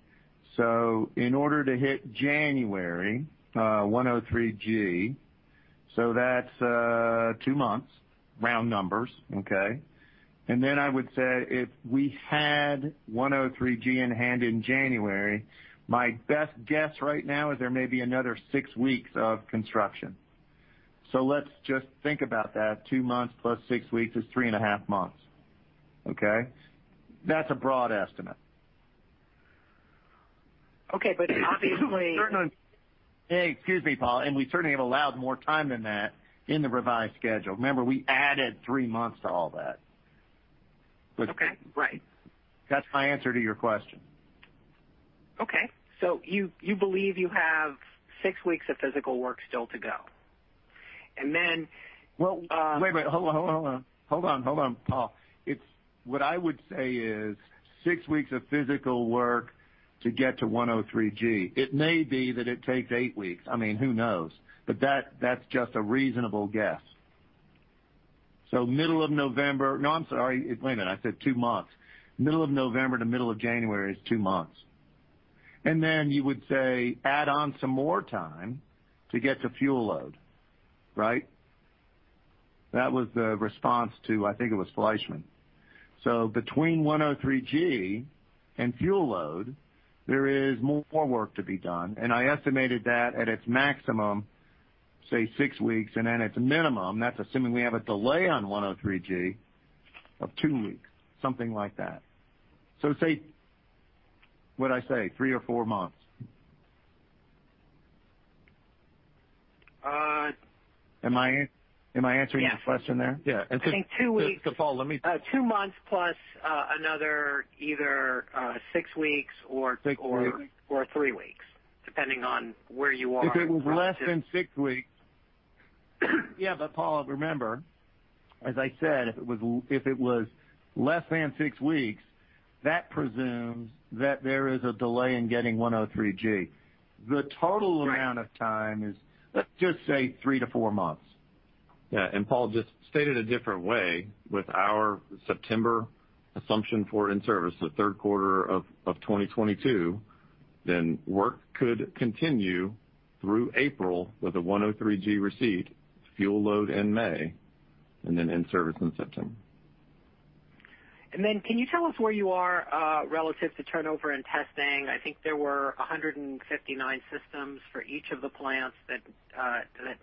Speaker 3: In order to hit January, 103(g). That's two months, round numbers, okay? Then I would say if we had 103(g) in hand in January, my best guess right now is there may be another six weeks of construction. Let's just think about that. Two months plus six weeks is three and a half months. Okay? That's a broad estimate.
Speaker 11: Okay, obviously.
Speaker 3: Certainly. Hey, excuse me, Paul. We certainly have allowed more time than that in the revised schedule. Remember, we added 3 months to all that.
Speaker 11: Okay. Right.
Speaker 3: That's my answer to your question.
Speaker 11: Okay. You believe you have six weeks of physical work still to go, and then,
Speaker 3: Well, wait. Hold on, Paul. It's what I would say is six weeks of physical work to get to 103(g). It may be that it takes eight weeks. I mean, who knows? But that's just a reasonable guess. Middle of November. No, I'm sorry. Wait a minute. I said two months. Middle of November to middle of January is two months. Then you would say add on some more time to get to fuel load, right? That was the response to I think it was Fleishman. Between 103(g) and fuel load, there is more work to be done. I estimated that at its maximum, say, six weeks, and then at the minimum, that's assuming we have a delay on 103(g) of two weeks, something like that. Say, what'd I say? Three or four months.
Speaker 11: Uh.
Speaker 3: Am I answering your question there?
Speaker 11: Yeah.
Speaker 4: Yeah.
Speaker 11: I think two weeks.
Speaker 4: Paul, let me
Speaker 11: Two months plus another either six weeks or
Speaker 3: Six weeks.
Speaker 11: three weeks, depending on where you are.
Speaker 3: If it was less than six weeks. Yeah, but Paul, remember, as I said, if it was less than six weeks, that presumes that there is a delay in getting 103(g).
Speaker 11: Right.
Speaker 3: The total amount of time is, let's just say 3-4 months.
Speaker 4: Yeah. Paul, just stated a different way, with our September assumption for in-service, the third quarter of 2022, then work could continue through April with the 103(g) receipt, fuel load in May, and then in-service in September.
Speaker 11: Can you tell us where you are relative to turnover and testing? I think there were 159 systems for each of the plants that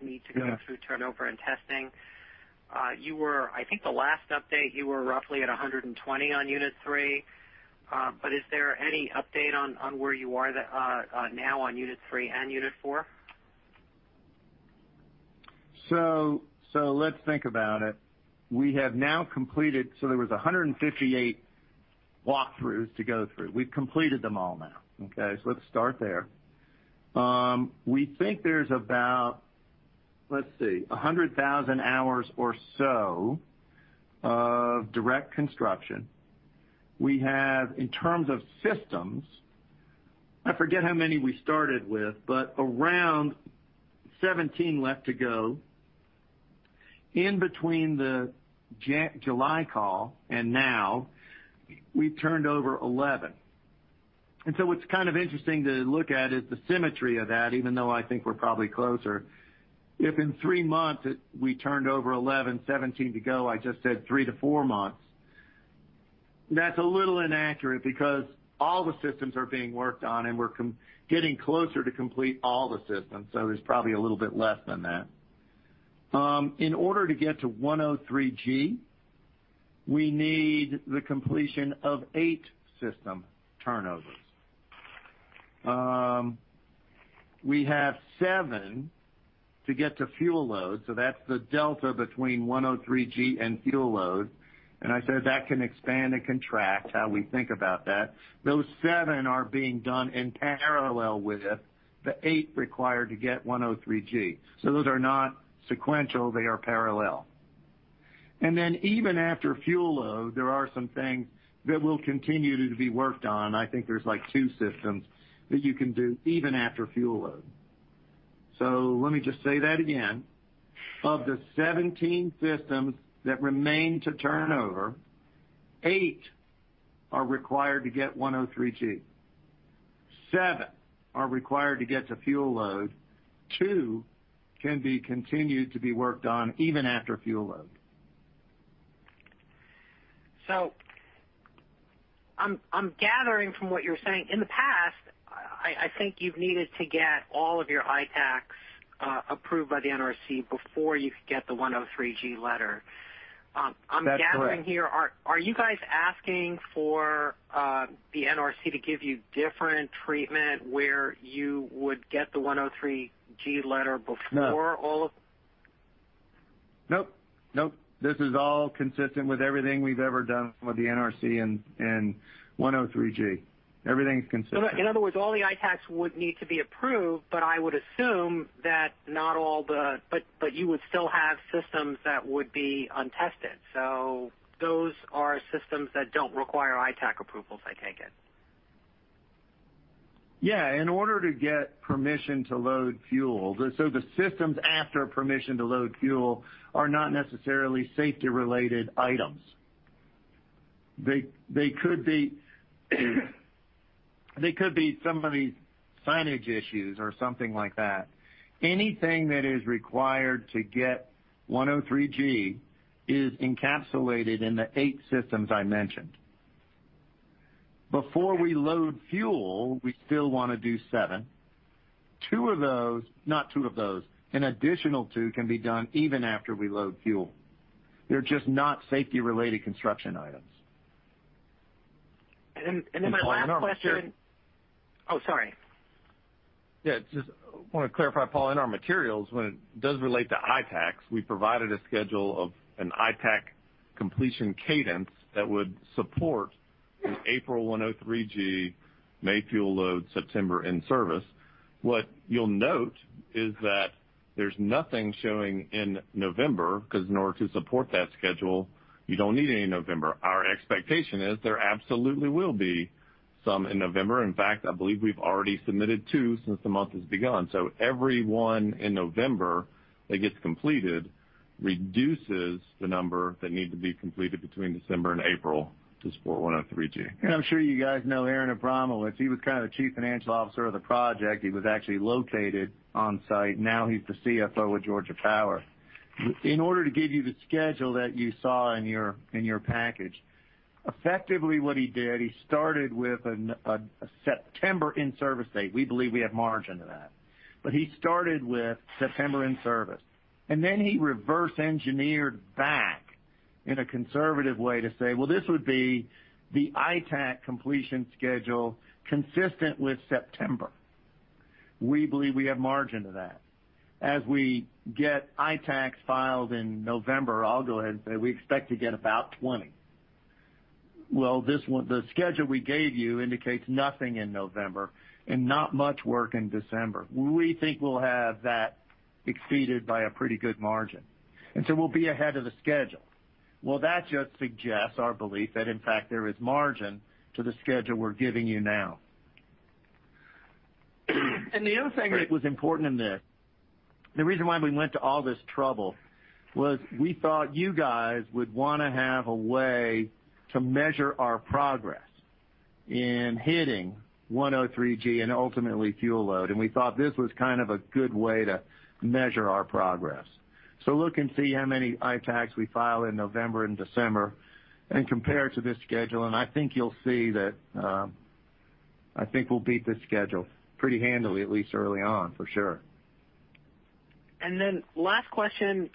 Speaker 11: need to go-
Speaker 3: Yeah.
Speaker 11: Through turnover and testing. I think the last update, you were roughly at 120 on Unit 3. Is there any update on where you are at now on Unit 3 and Unit 4?
Speaker 3: Let's think about it. We have now completed 158 walkthroughs to go through. We've completed them all now. Okay? Let's start there. We think there's about, let's see, 100,000 hours or so of direct construction. We have in terms of systems, I forget how many we started with, but around 17 left to go. In between the January-July call, and now we've turned over 11. What's kind of interesting to look at is the symmetry of that, even though I think we're probably closer. If in three months we turned over 11, 17 to go. I just said three to four months. That's a little inaccurate because all the systems are being worked on, and we're getting closer to complete all the systems. There's probably a little bit less than that. In order to get to 103(g), we need the completion of eight system turnovers. We have seven to get to fuel load, so that's the delta between 103(g) and fuel load. I said that can expand and contract how we think about that. Those sevez are being done in parallel with the eight required to get 103(g). Those are not sequential. They are parallel. Even after fuel load, there are some things that will continue to be worked on. I think there's like two systems that you can do even after fuel load. Let me just say that again. Of the 17 systems that remain to turn over, eight are required to get 103(g). seven are required to get to fuel load. Two can be continued to be worked on even after fuel load.
Speaker 11: I'm gathering from what you're saying. In the past, I think you've needed to get all of your ITACs approved by the NRC before you could get the 103(g) letter.
Speaker 3: That's correct.
Speaker 11: I'm gathering here. Are you guys asking for the NRC to give you different treatment where you would get the 103(g) letter before-
Speaker 3: No.
Speaker 11: All of
Speaker 3: Nope, nope. This is all consistent with everything we've ever done with the NRC and 103(g). Everything's consistent.
Speaker 11: In other words, all the ITAACs would need to be approved, but I would assume that you would still have systems that would be untested. Those are systems that don't require ITAAC approvals, I take it.
Speaker 3: Yeah. In order to get permission to load fuel. The systems after permission to load fuel are not necessarily safety-related items. They could be some of these signage issues or something like that. Anything that is required to get 103(g) is encapsulated in the eight systems I mentioned. Before we load fuel, we still wanna do seven. Two of those, not two of those. An additional two can be done even after we load fuel. They're just not safety-related construction items.
Speaker 11: My last question.
Speaker 3: Paul, in our materials.
Speaker 11: Oh, sorry.
Speaker 4: Yeah, just wanna clarify, Paul, in our materials, when it does relate to ITACs, we provided a schedule of an ITAC completion cadence that would support an April 103(g), May fuel load, September in service. What you'll note is that there's nothing showing in November because in order to support that schedule, you don't need any in November. Our expectation is there absolutely will be some in November. In fact, I believe we've already submitted 2 since the month has begun. So everyone in November that gets completed reduces the number that need to be completed between December and April to support 103(g).
Speaker 3: I'm sure you guys know Aaron Abramovitz. He was kind of the chief financial officer of the project. He was actually located on-site. Now he's the CFO of Georgia Power. In order to give you the schedule that you saw in your package, effectively what he did, he started with a September in-service date. We believe we have margin to that. He started with September in service, and then he reverse engineered back in a conservative way to say, "Well, this would be the ITAC completion schedule consistent with September." We believe we have margin to that. As we get ITACs filed in November, I'll go ahead and say we expect to get about 20. Well, this one, the schedule we gave you indicates nothing in November and not much work in December. We think we'll have that exceeded by a pretty good margin, and so we'll be ahead of the schedule. Well, that just suggests our belief that, in fact, there is margin to the schedule we're giving you now. The other thing that was important in this, the reason why we went to all this trouble, was we thought you guys would wanna have a way to measure our progress in hitting 103(g) and ultimately fuel load. We thought this was kind of a good way to measure our progress. Look and see how many ITACs we file in November and December and compare it to this schedule, and I think you'll see that, I think we'll beat this schedule pretty handily, at least early on, for sure.
Speaker 11: Last question.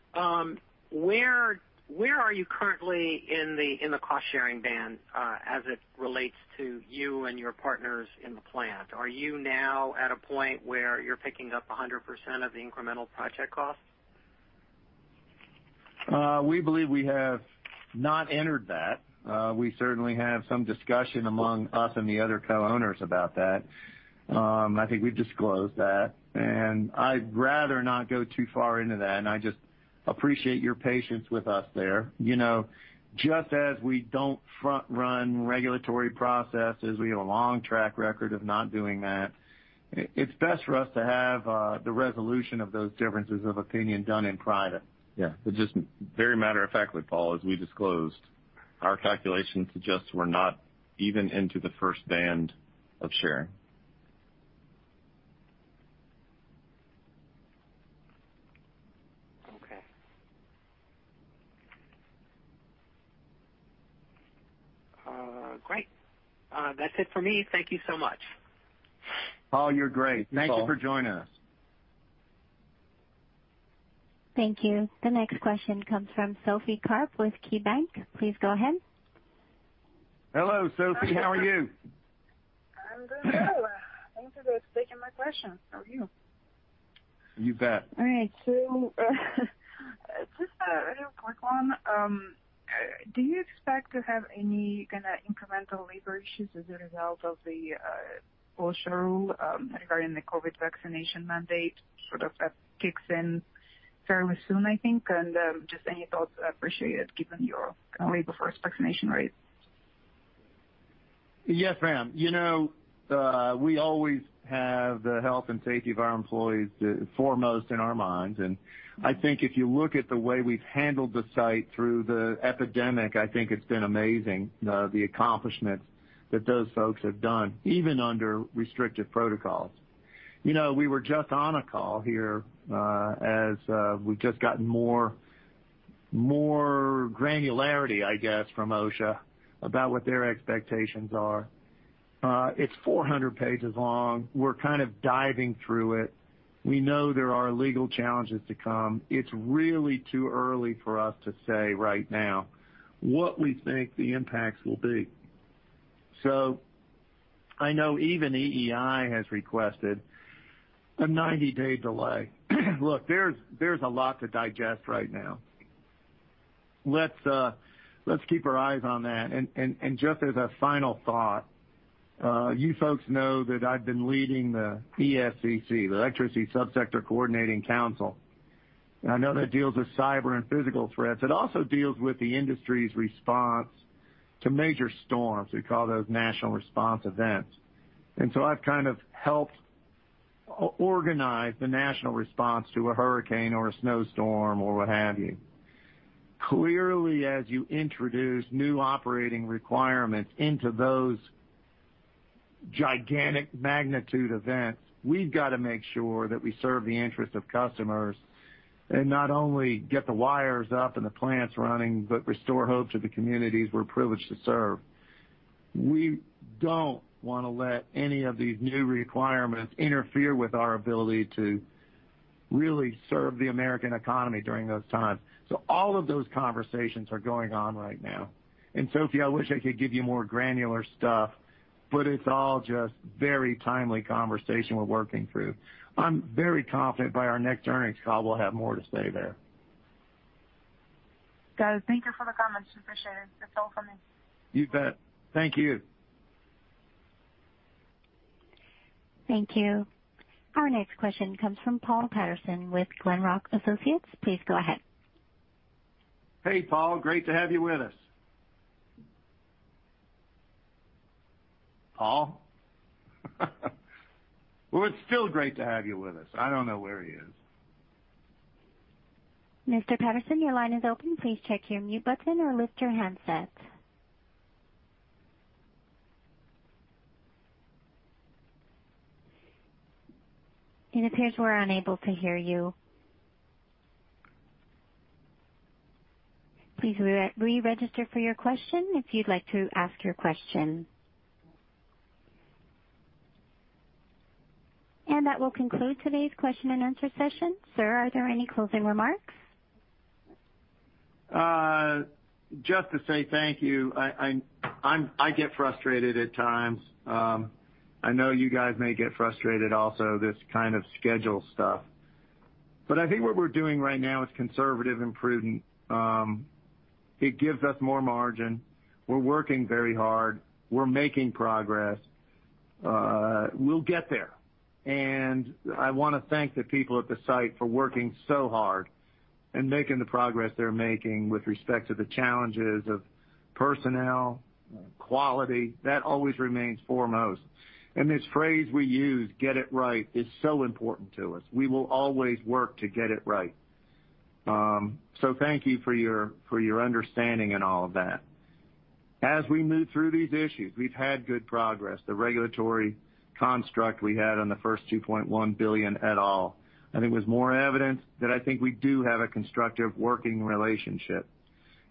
Speaker 11: Where are you currently in the cost-sharing band as it relates to you and your partners in the plant? Are you now at a point where you're picking up 100% of the incremental project costs?
Speaker 3: We believe we have not entered that. We certainly have some discussion among us and the other co-owners about that. I think we've disclosed that. I'd rather not go too far into that, and I just appreciate your patience with us there. You know, just as we don't front run regulatory processes, we have a long track record of not doing that. It's best for us to have the resolution of those differences of opinion done in private.
Speaker 4: Yeah. Just very matter of factly, Paul, as we disclosed, our calculations suggest we're not even into the first band of sharing.
Speaker 11: Okay. Great. That's it for me. Thank you so much.
Speaker 3: Paul, you're great.
Speaker 4: Thanks, Paul.
Speaker 3: Thank you for joining us.
Speaker 1: Thank you. The next question comes from Sophie Karp with KeyBanc. Please go ahead.
Speaker 3: Hello, Sophie. How are you?
Speaker 9: I'm good. How are you? Thanks for taking my question. How are you?
Speaker 3: You bet.
Speaker 9: All right. Just a real quick one. Do you expect to have any kinda incremental labor issues as a result of the OSHA rule regarding the COVID vaccination mandate, sort of that kicks in fairly soon, I think? Just any thoughts are appreciated given your kind of labor versus vaccination rates.
Speaker 3: Yes, ma'am. You know, we always have the health and safety of our employees the foremost in our minds. I think if you look at the way we've handled the site through the epidemic, I think it's been amazing, the accomplishments that those folks have done even under restrictive protocols. You know, we were just on a call here, we've just gotten more granularity I guess from OSHA about what their expectations are. It's 400 pages long. We're kind of diving through it. We know there are legal challenges to come. It's really too early for us to say right now what we think the impacts will be. I know even EEI has requested a 90-day delay. Look, there's a lot to digest right now. Let's keep our eyes on that. Just as a final thought, you folks know that I've been leading the ESCC, the Electricity Subsector Coordinating Council. I know that deals with cyber and physical threats. It also deals with the industry's response to major storms. We call those national response events. I've kind of helped organize the national response to a hurricane or a snowstorm or what have you. Clearly, as you introduce new operating requirements into those gigantic magnitude events, we've got to make sure that we serve the interests of customers and not only get the wires up and the plants running, but restore hope to the communities we're privileged to serve. We don't wanna let any of these new requirements interfere with our ability to really serve the American economy during those times. All of those conversations are going on right now. Sophie, I wish I could give you more granular stuff, but it's all just very timely conversation we're working through. I'm very confident by our next earnings call, we'll have more to say there.
Speaker 9: Got it. Thank you for the comments. Appreciate it. That's all for me.
Speaker 3: You bet. Thank you.
Speaker 1: Thank you. Our next question comes from Paul Patterson with Glenrock Associates. Please go ahead.
Speaker 3: Hey, Paul. Great to have you with us. Paul? Well, it's still great to have you with us. I don't know where he is.
Speaker 1: Mr. Patterson, your line is open. Please check your mute button or lift your handset. It appears we're unable to hear you. Please re-register for your question if you'd like to ask your question. That will conclude today's question and answer session. Sir, are there any closing remarks?
Speaker 3: Just to say thank you. I get frustrated at times. I know you guys may get frustrated also, this kind of schedule stuff. I think what we're doing right now is conservative and prudent. It gives us more margin. We're working very hard. We're making progress. We'll get there. I wanna thank the people at the site for working so hard and making the progress they're making with respect to the challenges of personnel, quality. That always remains foremost. This phrase we use, get it right, is so important to us. We will always work to get it right. Thank you for your understanding in all of that. As we move through these issues, we've had good progress. The regulatory construct we had on the first $2.1 billion et al, I think was more evidence that I think we do have a constructive working relationship,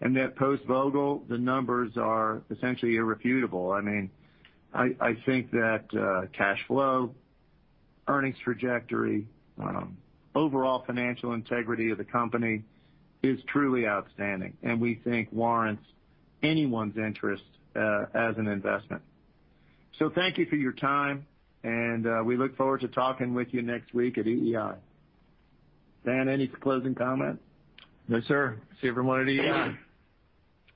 Speaker 3: and that post-Vogtle, the numbers are essentially irrefutable. I mean, I think that cash flow, earnings trajectory, overall financial integrity of the company is truly outstanding and we think warrants anyone's interest as an investment. Thank you for your time, and we look forward to talking with you next week at EEI. Dan, any closing comments?
Speaker 4: No, sir. See everyone at EEI.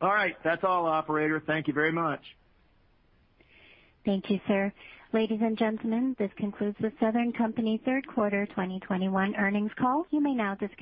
Speaker 3: All right. That's all, operator. Thank you very much.
Speaker 1: Thank you, sir. Ladies and gentlemen, this concludes the Southern Company third quarter 2021 earnings call. You may now disconnect.